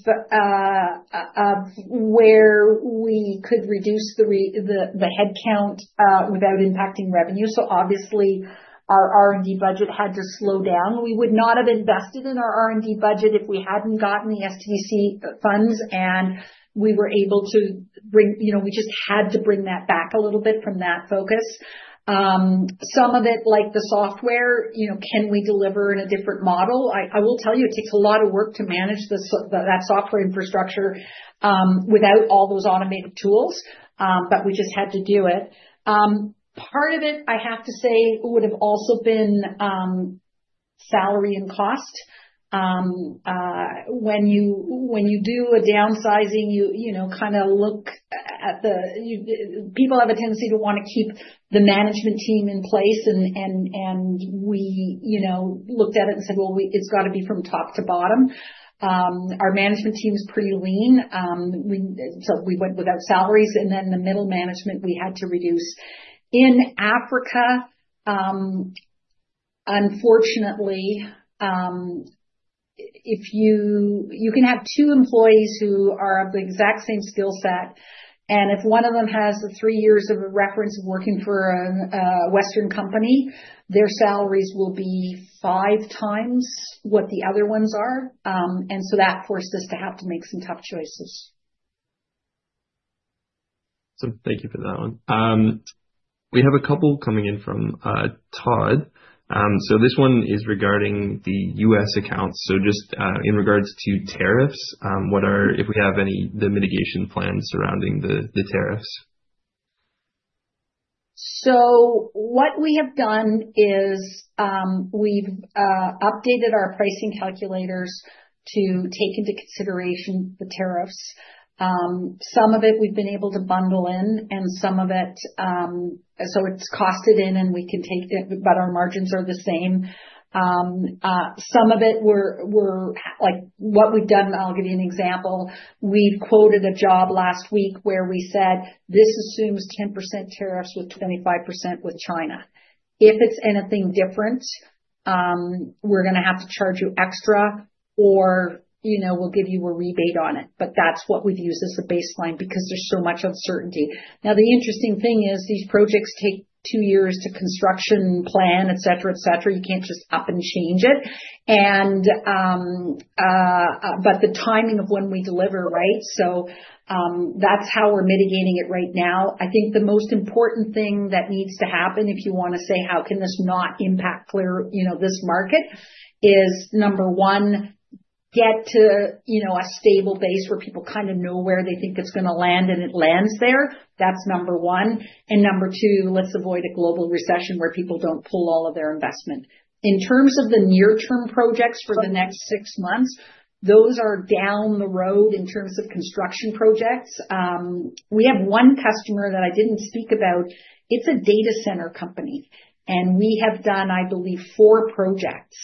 where we could reduce the headcount without impacting revenue. Obviously our R&D budget had to slow down. We would not have invested in our R&D budget if we hadn't gotten the SDTC funds and we were able to bring, you know, we just had to bring that back a little bit from that focus. Some of it, like the software, you know, can we deliver in a different model? I will tell you it takes a lot of work to manage that software infrastructure, without all those automated tools. We just had to do it. Part of it, I have to say, would have also been salary and cost. When you do a downsizing, you know, kind of look at the, you, people have a tendency to wanna keep the management team in place and we, you know, looked at it and said, we, it's gotta be from top to bottom. Our management team is pretty lean. We went without salaries and then the middle management we had to reduce. In Africa, unfortunately, you can have two employees who are of the exact same skill set and if one of them has three years of a reference working for a Western company, their salaries will be five times what the other ones are. That forced us to have to make some tough choices. Awesome. Thank you for that one. We have a couple coming in from Todd. This one is regarding the U.S. accounts. Just in regards to tariffs, what are, if we have any, the mitigation plans surrounding the tariffs? What we have done is, we've updated our pricing calculators to take into consideration the tariffs. Some of it we've been able to bundle in and some of it, so it's costed in and we can take it, but our margins are the same. Some of it we're, we're like what we've done, I'll give you an example. We've quoted a job last week where we said, this assumes 10% tariffs with 25% with China. If it's anything different, we're gonna have to charge you extra or, you know, we'll give you a rebate on it. But that's what we've used as a baseline because there's so much uncertainty. Now, the interesting thing is these projects take two years to construction plan, et cetera, et cetera. You can't just up and change it. The timing of when we deliver, right? That's how we're mitigating it right now. I think the most important thing that needs to happen if you wanna say, how can this not impact Clear Blue, you know, this market is number one, get to, you know, a stable base where people kind of know where they think it's gonna land and it lands there. That's number one. Number two, let's avoid a global recession where people don't pull all of their investment. In terms of the near-term projects for the next six months, those are down the road in terms of construction projects. We have one customer that I didn't speak about. It's a data center company and we have done, I believe, four projects.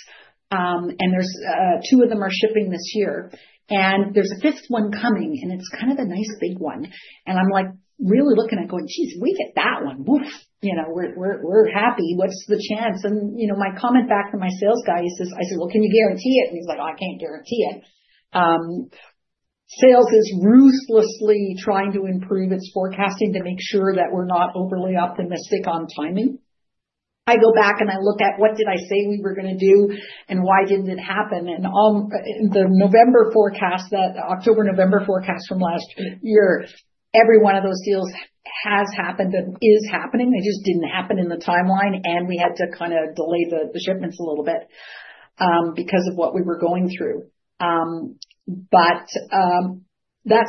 Two of them are shipping this year and there's a fifth one coming and it's kind of a nice big one. I'm like really looking at going, geez, we get that one, woof. You know, we're happy. What's the chance? And, you know, my comment back from my sales guy is this, I said, well, can you guarantee it? And he's like, oh, I can't guarantee it. Sales is ruthlessly trying to improve its forecasting to make sure that we're not overly optimistic on timing. I go back and I look at what did I say we were gonna do and why didn't it happen? And all the November forecast, that October, November forecast from last year, every one of those deals has happened and is happening. They just didn't happen in the timeline and we had to kind of delay the shipments a little bit, because of what we were going through. That's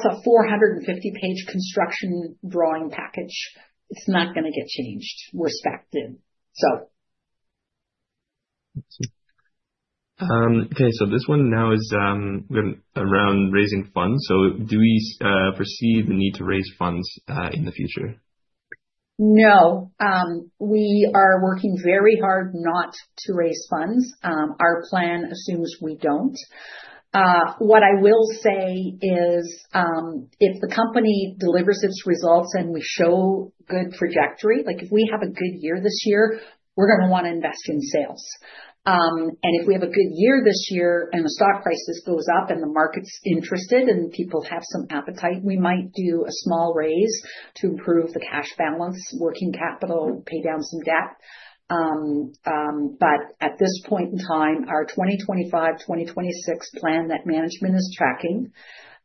a 450-page construction drawing package. It's not gonna get changed. We're spec'd in, so. Okay. So this one now is, we're around raising funds. Do we foresee the need to raise funds in the future? No. We are working very hard not to raise funds. Our plan assumes we do not. What I will say is, if the company delivers its results and we show good trajectory, like if we have a good year this year, we're gonna wanna invest in sales. If we have a good year this year and the stock price just goes up and the market's interested and people have some appetite, we might do a small raise to improve the cash balance, working capital, pay down some debt. At this point in time, our 2025, 2026 plan that management is tracking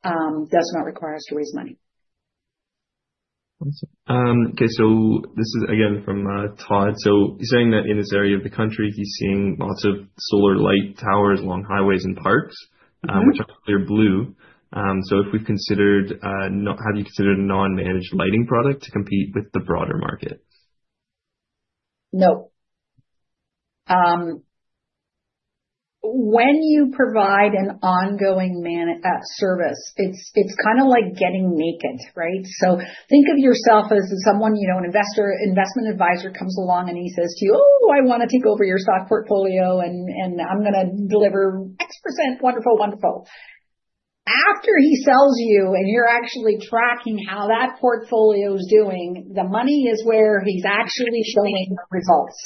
does not require us to raise money. Awesome. Okay. This is again from Todd. You're saying that in this area of the country, he's seeing lots of solar light towers along highways and parks, which are Clear Blue. If we've considered, not, have you considered a non-managed lighting product to compete with the broader market? No. When you provide an ongoing manag, service, it's kind of like getting naked, right? Think of yourself as someone, you know, an investor, investment advisor comes along and he says to you, oh, I wanna take over your stock portfolio and I'm gonna deliver X %, wonderful, wonderful. After he sells you and you're actually tracking how that portfolio's doing, the money is where he's actually showing the results.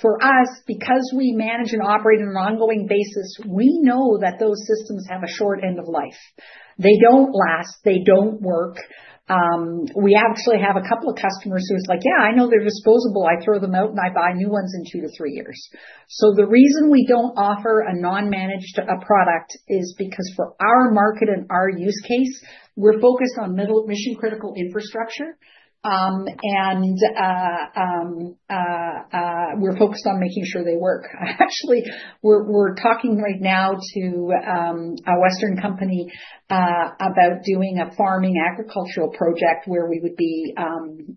For us, because we manage and operate on an ongoing basis, we know that those systems have a short end of life. They don't last. They don't work. We actually have a couple of customers who are like, yeah, I know they're disposable. I throw them out and I buy new ones in two to three years. The reason we don't offer a non-managed product is because for our market and our use case, we're focused on middle mission-critical infrastructure, and we're focused on making sure they work. Actually, we're talking right now to a Western company about doing a farming agricultural project where we would be powering,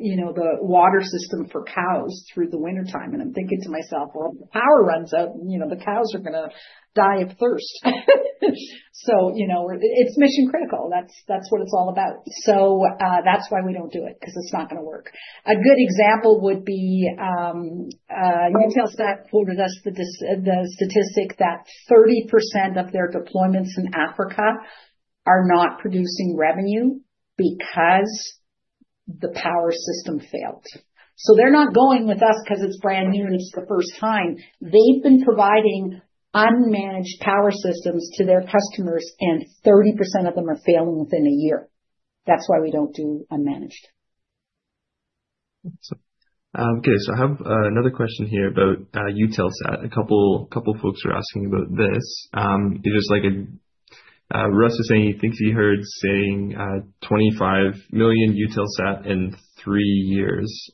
you know, the water system for cows through the wintertime. I'm thinking to myself, the power runs out, you know, the cows are gonna die of thirst. You know, it's mission-critical. That's what it's all about. That's why we don't do it 'cause it's not gonna work. A good example would be, Eutelsat quoted us the statistic that 30% of their deployments in Africa are not producing revenue because the power system failed. They are not going with us 'cause it's brand new and it's the first time. They have been providing unmanaged power systems to their customers and 30% of them are failing within a year. That's why we do not do unmanaged. Awesome. Okay. I have another question here about Eutelsat. A couple of folks are asking about this. It's just like, Russ is saying he thinks he heard saying, 25 million Eutelsat in three years.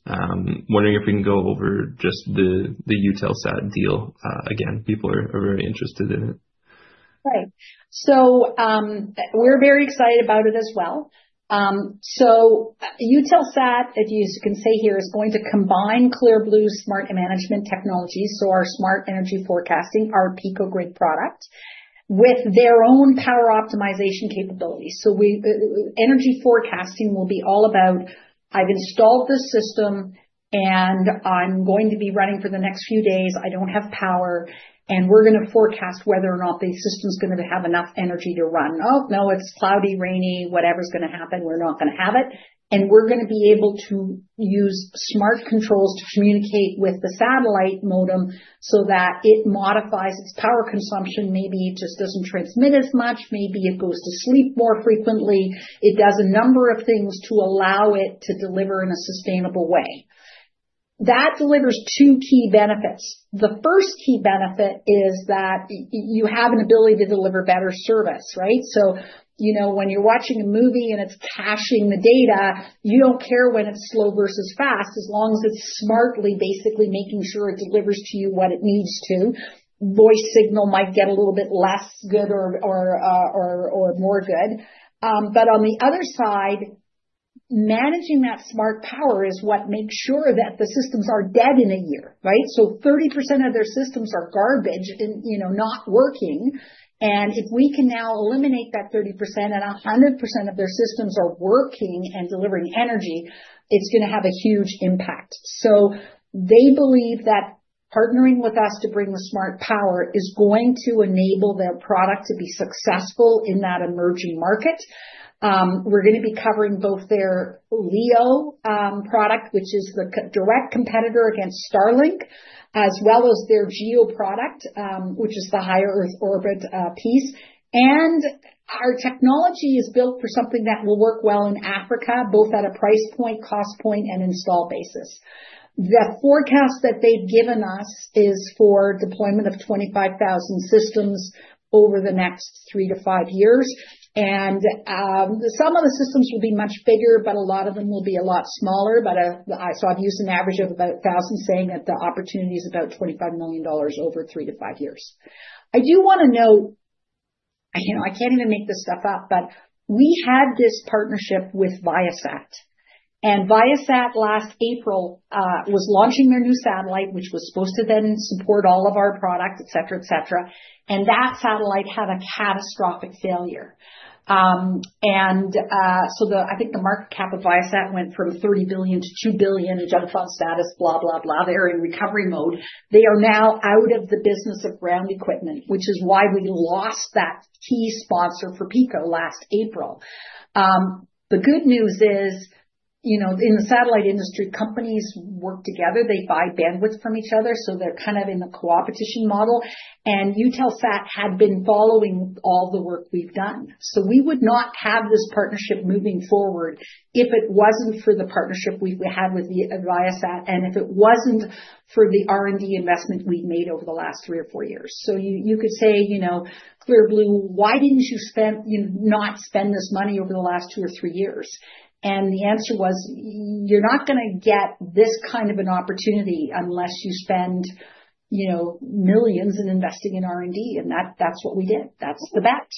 Wondering if we can go over just the Eutelsat deal again. People are very interested in it. Right. We are very excited about it as well. Eutelsat, if you can say here, is going to combine Clear Blue smart management technologies. Our smart energy forecasting, our Pico grid product with their own power optimization capability. We, energy forecasting will be all about, I've installed the system and I'm going to be running for the next few days. I don't have power and we're gonna forecast whether or not the system's gonna have enough energy to run. Oh no, it's cloudy, rainy, whatever's gonna happen, we're not gonna have it. We're gonna be able to use smart controls to communicate with the satellite modem so that it modifies its power consumption. Maybe it just doesn't transmit as much. Maybe it goes to sleep more frequently. It does a number of things to allow it to deliver in a sustainable way. That delivers two key benefits. The first key benefit is that you have an ability to deliver better service, right? You know, when you're watching a movie and it's caching the data, you don't care when it's slow versus fast as long as it's smartly basically making sure it delivers to you what it needs to. Voice signal might get a little bit less good or more good. On the other side, managing that smart power is what makes sure that the systems are dead in a year, right? Thirty percent of their systems are garbage and, you know, not working. If we can now eliminate that 30% and 100% of their systems are working and delivering energy, it's gonna have a huge impact. They believe that partnering with us to bring the smart power is going to enable their product to be successful in that emerging market. We're gonna be covering both their LEO product, which is the direct competitor against Starlink, as well as their GEO product, which is the higher Earth orbit piece. Our technology is built for something that will work well in Africa, both at a price point, cost point, and install basis. The forecast that they've given us is for deployment of 25,000 systems over the next three to five years. Some of the systems will be much bigger, but a lot of them will be a lot smaller. I've used an average of about 1,000, saying that the opportunity is about 25 million dollars over three to five years. I do wanna note, you know, I can't even make this stuff up, but we had this partnership with Viasat. Viasat last April was launching their new satellite, which was supposed to then support all of our product, et cetera, et cetera. That satellite had a catastrophic failure, and, so the, I think the market cap of Viasat went from 30 billion to 2 billion in junk fund status, blah, blah, blah. They're in recovery mode. They are now out of the business of ground equipment, which is why we lost that key sponsor for Pico last April. The good news is, you know, in the satellite industry, companies work together. They buy bandwidth from each other. They're kind of in a co-opetition model. Eutelsat had been following all the work we've done. We would not have this partnership moving forward if it wasn't for the partnership we've had with Viasat. If it wasn't for the R&D investment we've made over the last three or four years, you could say, you know, Clear Blue, why didn't you not spend this money over the last two or three years? The answer was, you're not gonna get this kind of an opportunity unless you spend, you know, millions in investing in R&D. That's what we did. That's the bet.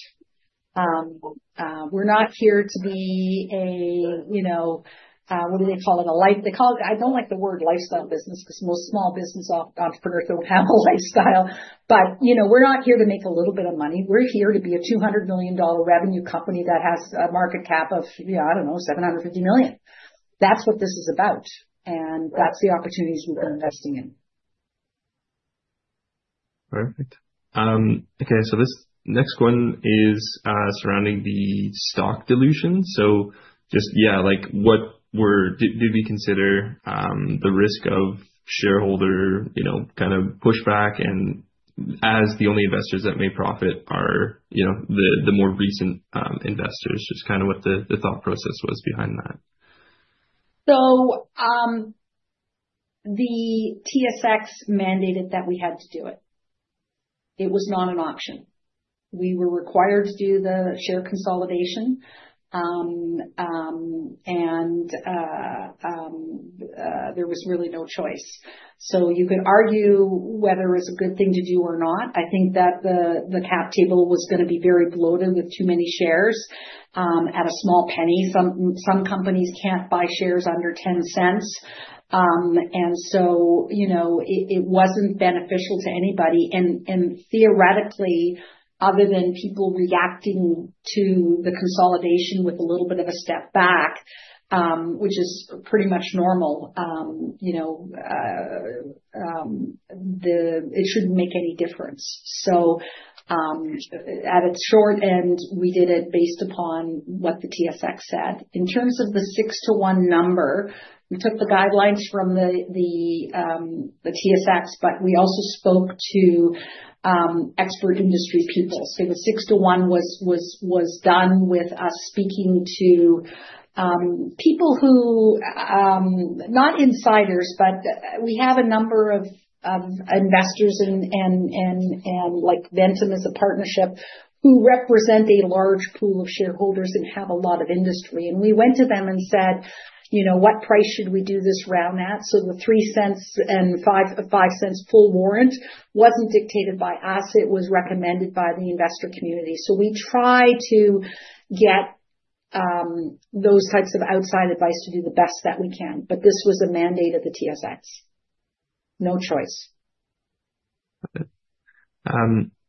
We're not here to be a, you know, what do they call it? A life, they call it, I don't like the word lifestyle business 'cause most small business entrepreneurs don't have a lifestyle. You know, we're not here to make a little bit of money. We're here to be a 200 million dollar revenue company that has a market cap of, you know, I don't know, 750 million. That's what this is about. That's the opportunities we've been investing in. Perfect. Okay. This next one is surrounding the stock dilution. Just, yeah, like what were, did we consider the risk of shareholder, you know, kind of pushback and as the only investors that may profit are, you know, the more recent investors, just kind of what the thought process was behind that. The TSXV mandated that we had to do it. It was not an option. We were required to do the share consolidation, and there was really no choice. You could argue whether it was a good thing to do or not. I think that the cap table was gonna be very bloated with too many shares at a small penny. Some companies can't buy shares under 0.10, and so, you know, it wasn't beneficial to anybody. Theoretically, other than people reacting to the consolidation with a little bit of a step back, which is pretty much normal, you know, it shouldn't make any difference. At its short end, we did it based upon what the TSXV said. In terms of the six to one number, we took the guidelines from the TSXV, but we also spoke to expert industry people. The six to one was done with us speaking to people who, not insiders, but we have a number of investors and, like Vesttoo is a partnership who represent a large pool of shareholders and have a lot of industry. We went to them and said, you know, what price should we do this round at? The three cents and five cents full warrant wasn't dictated by us. It was recommended by the investor community. We try to get those types of outside advice to do the best that we can. This was a mandate of the TSXV. No choice.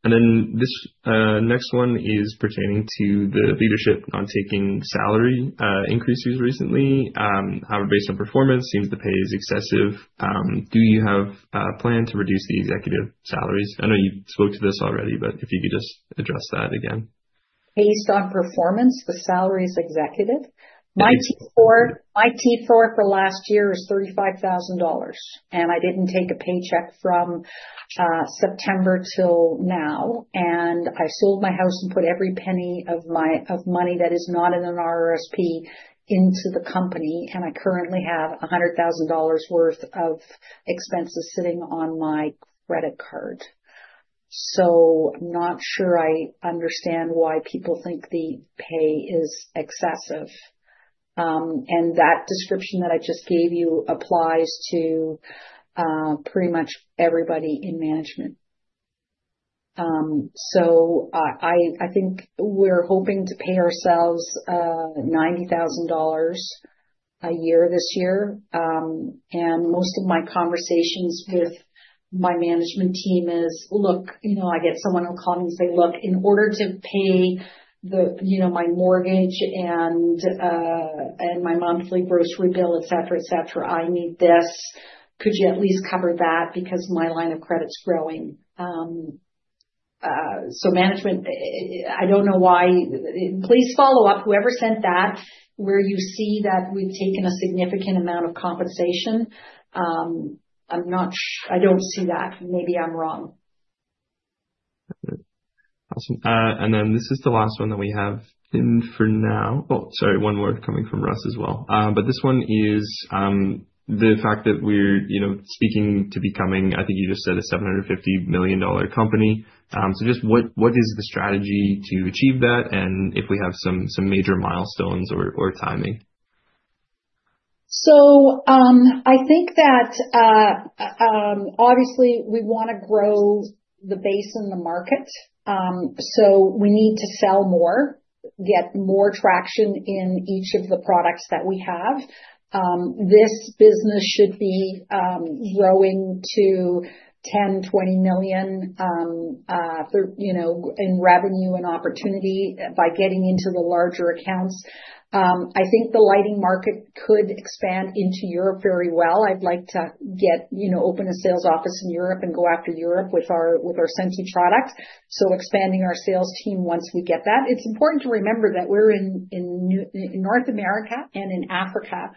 This next one is pertaining to the leadership not taking salary increases recently. However, based on performance, seems the pay is excessive. Do you have a plan to reduce the executive salaries? I know you spoke to this already, but if you could just address that again. Based on performance, the salaries executive. My T4, my T4 for last year was 35,000 dollars. I did not take a paycheck from September till now. I sold my house and put every penny of my money that is not in an RRSP into the company. I currently have 100,000 dollars worth of expenses sitting on my credit card. I'm not sure I understand why people think the pay is excessive. That description that I just gave you applies to pretty much everybody in management. I think we're hoping to pay ourselves 90,000 dollars a year this year. Most of my conversations with my management team are, look, you know, I get someone who'll call me and say, look, in order to pay the, you know, my mortgage and my monthly grocery bill, et cetera, et cetera, I need this. Could you at least cover that because my line of credit's growing? Management, I don't know why. Please follow up, whoever sent that, where you see that we've taken a significant amount of compensation. I'm not, I don't see that. Maybe I'm wrong. Awesome. This is the last one that we have in for now. Oh, sorry, one more coming from Russ as well. This one is the fact that we're, you know, speaking to becoming, I think you just said a 750 million dollar company. Just what is the strategy to achieve that and if we have some major milestones or timing? I think that, obviously we wanna grow the base in the market. We need to sell more, get more traction in each of the products that we have. This business should be growing to 10 million-20 million, you know, in revenue and opportunity by getting into the larger accounts. I think the lighting market could expand into Europe very well. I'd like to get, you know, open a sales office in Europe and go after Europe with our SENTI product. Expanding our sales team once we get that. It's important to remember that we're in, in North America and in Africa.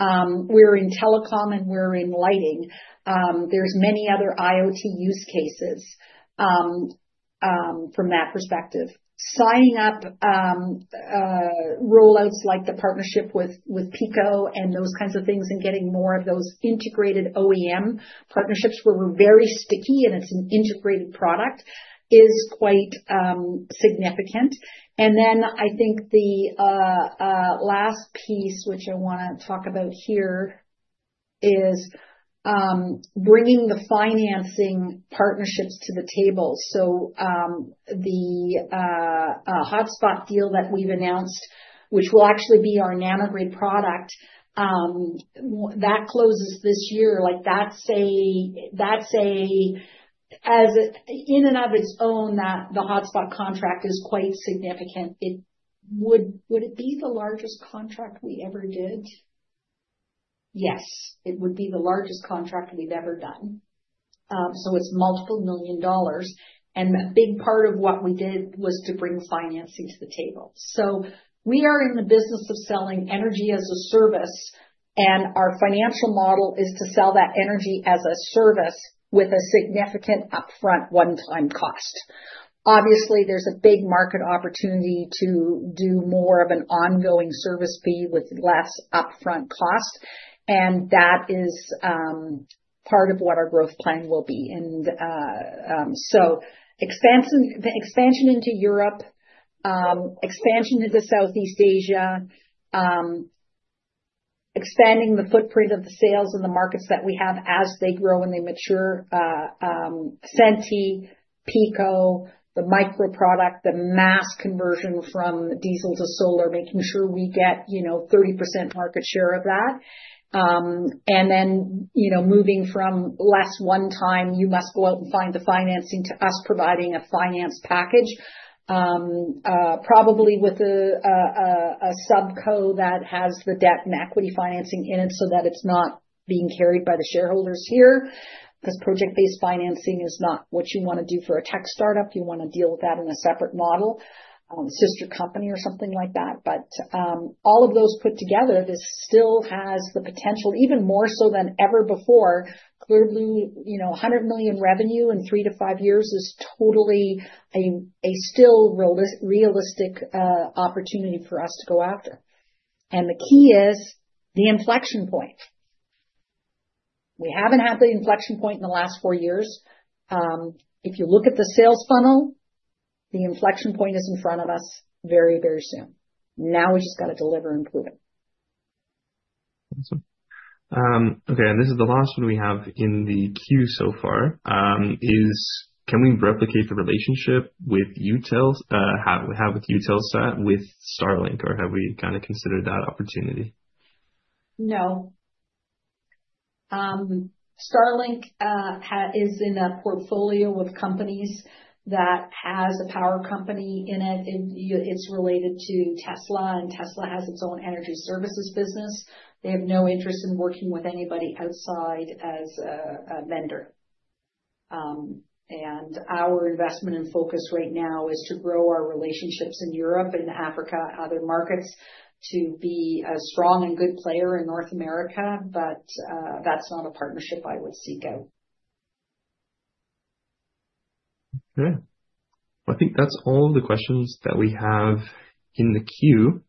We're in telecom and we're in lighting. There's many other IoT use cases, from that perspective. Signing up, rollouts like the partnership with, with Pico and those kinds of things and getting more of those integrated OEM partnerships where we're very sticky and it's an integrated product is quite significant. I think the last piece, which I want to talk about here, is bringing the financing partnerships to the table. The hotspot deal that we've announced, which will actually be our Nanogrid product, that closes this year, like that's a, that's a, as in and of its own, that the hotspot contract is quite significant. Would it be the largest contract we ever did? Yes, it would be the largest contract we've ever done. It's multiple million dollars. A big part of what we did was to bring financing to the table. We are in the business of selling energy as a service. Our financial model is to sell that energy as a service with a significant upfront one-time cost. Obviously, there is a big market opportunity to do more of an ongoing service fee with less upfront cost. That is part of what our growth plan will be. Expansion into Europe, expansion into Southeast Asia, expanding the footprint of the sales and the markets that we have as they grow and they mature, SENTI, Pico, the Micro product, the mass conversion from diesel to solar, making sure we get, you know, 30% market share of that. and then, you know, moving from less one time, you must go out and find the financing to us providing a finance package, probably with a sub co that has the debt and equity financing in it so that it's not being carried by the shareholders here because project-based financing is not what you wanna do for a tech startup. You wanna deal with that in a separate model, sister company or something like that. All of those put together, this still has the potential, even more so than ever before. Clear Blue, you know, 100 million revenue in three to five years is totally a still realistic, opportunity for us to go after. The key is the inflection point. We haven't had the inflection point in the last four years. If you look at the sales funnel, the inflection point is in front of us very, very soon. Now we just gotta deliver and prove it. Awesome. Okay. And this is the last one we have in the queue so far. Is, can we replicate the relationship with Eutelsat, have we had with Eutelsat with Starlink or have we kind of considered that opportunity? No. Starlink is in a portfolio with companies that has a power company in it. It is related to Tesla and Tesla has its own energy services business. They have no interest in working with anybody outside as a vendor. And our investment and focus right now is to grow our relationships in Europe and Africa, other markets to be a strong and good player in North America. That is not a partnership I would seek out. Okay. I think that's all the questions that we have in the queue.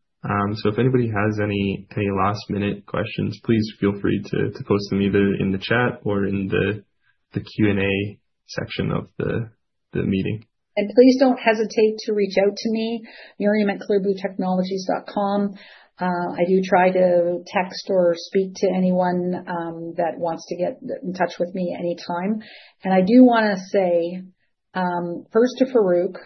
If anybody has any last minute questions, please feel free to post them either in the chat or in the Q&A section of the meeting. Please do not hesitate to reach out to me, Miriam at clearbluetechnologies.com. I do try to text or speak to anyone that wants to get in touch with me anytime. I do want to say, first to Farrukh,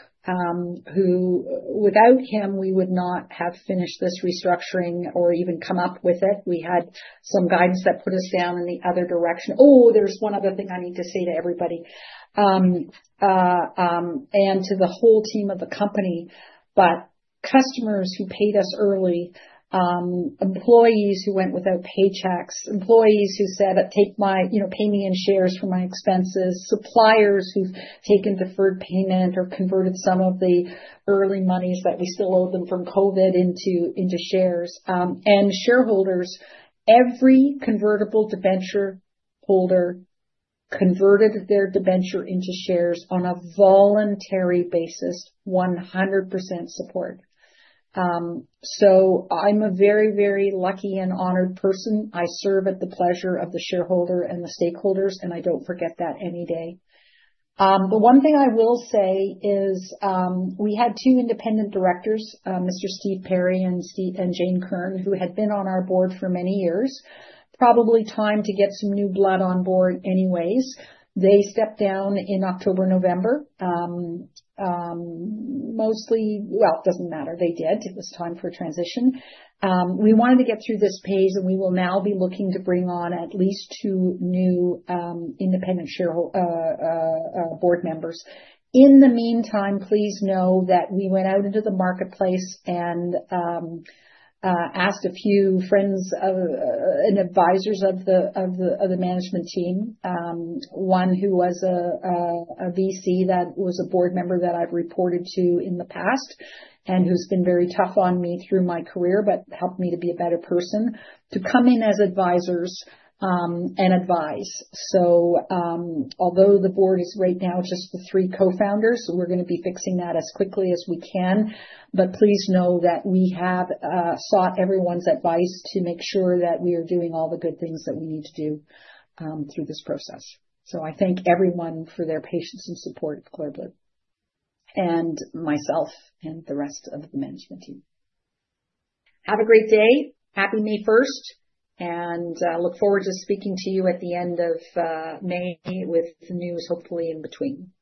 who, without him, we would not have finished this restructuring or even come up with it. We had some guidance that put us down in the other direction. Oh, there's one other thing I need to say to everybody. and to the whole team of the company, but customers who paid us early, employees who went without paychecks, employees who said, take my, you know, pay me in shares for my expenses, suppliers who've taken deferred payment or converted some of the early monies that we still owe them from COVID into, into shares. and shareholders, every convertible debenture holder converted their debenture into shares on a voluntary basis, 100% support. I am a very, very lucky and honored person. I serve at the pleasure of the shareholder and the stakeholders, and I do not forget that any day. The one thing I will say is, we had two independent directors, Mr. Steve Perry and Jane Kern, who had been on our board for many years, probably time to get some new blood on board anyways. They stepped down in October, November. Mostly, well, it does not matter. They did. It was time for transition. We wanted to get through this phase and we will now be looking to bring on at least two new, independent shareholder board members. In the meantime, please know that we went out into the marketplace and asked a few friends of, and advisors of the management team, one who was a VC that was a board member that I've reported to in the past and who's been very tough on me through my career, but helped me to be a better person to come in as advisors, and advise. Although the board is right now just the three co-founders, we're gonna be fixing that as quickly as we can. Please know that we have sought everyone's advice to make sure that we are doing all the good things that we need to do through this process. I thank everyone for their patience and support of Clear Blue and myself and the rest of the management team. Have a great day. Happy May 1st. I look forward to speaking to you at the end of May with the news, hopefully in between.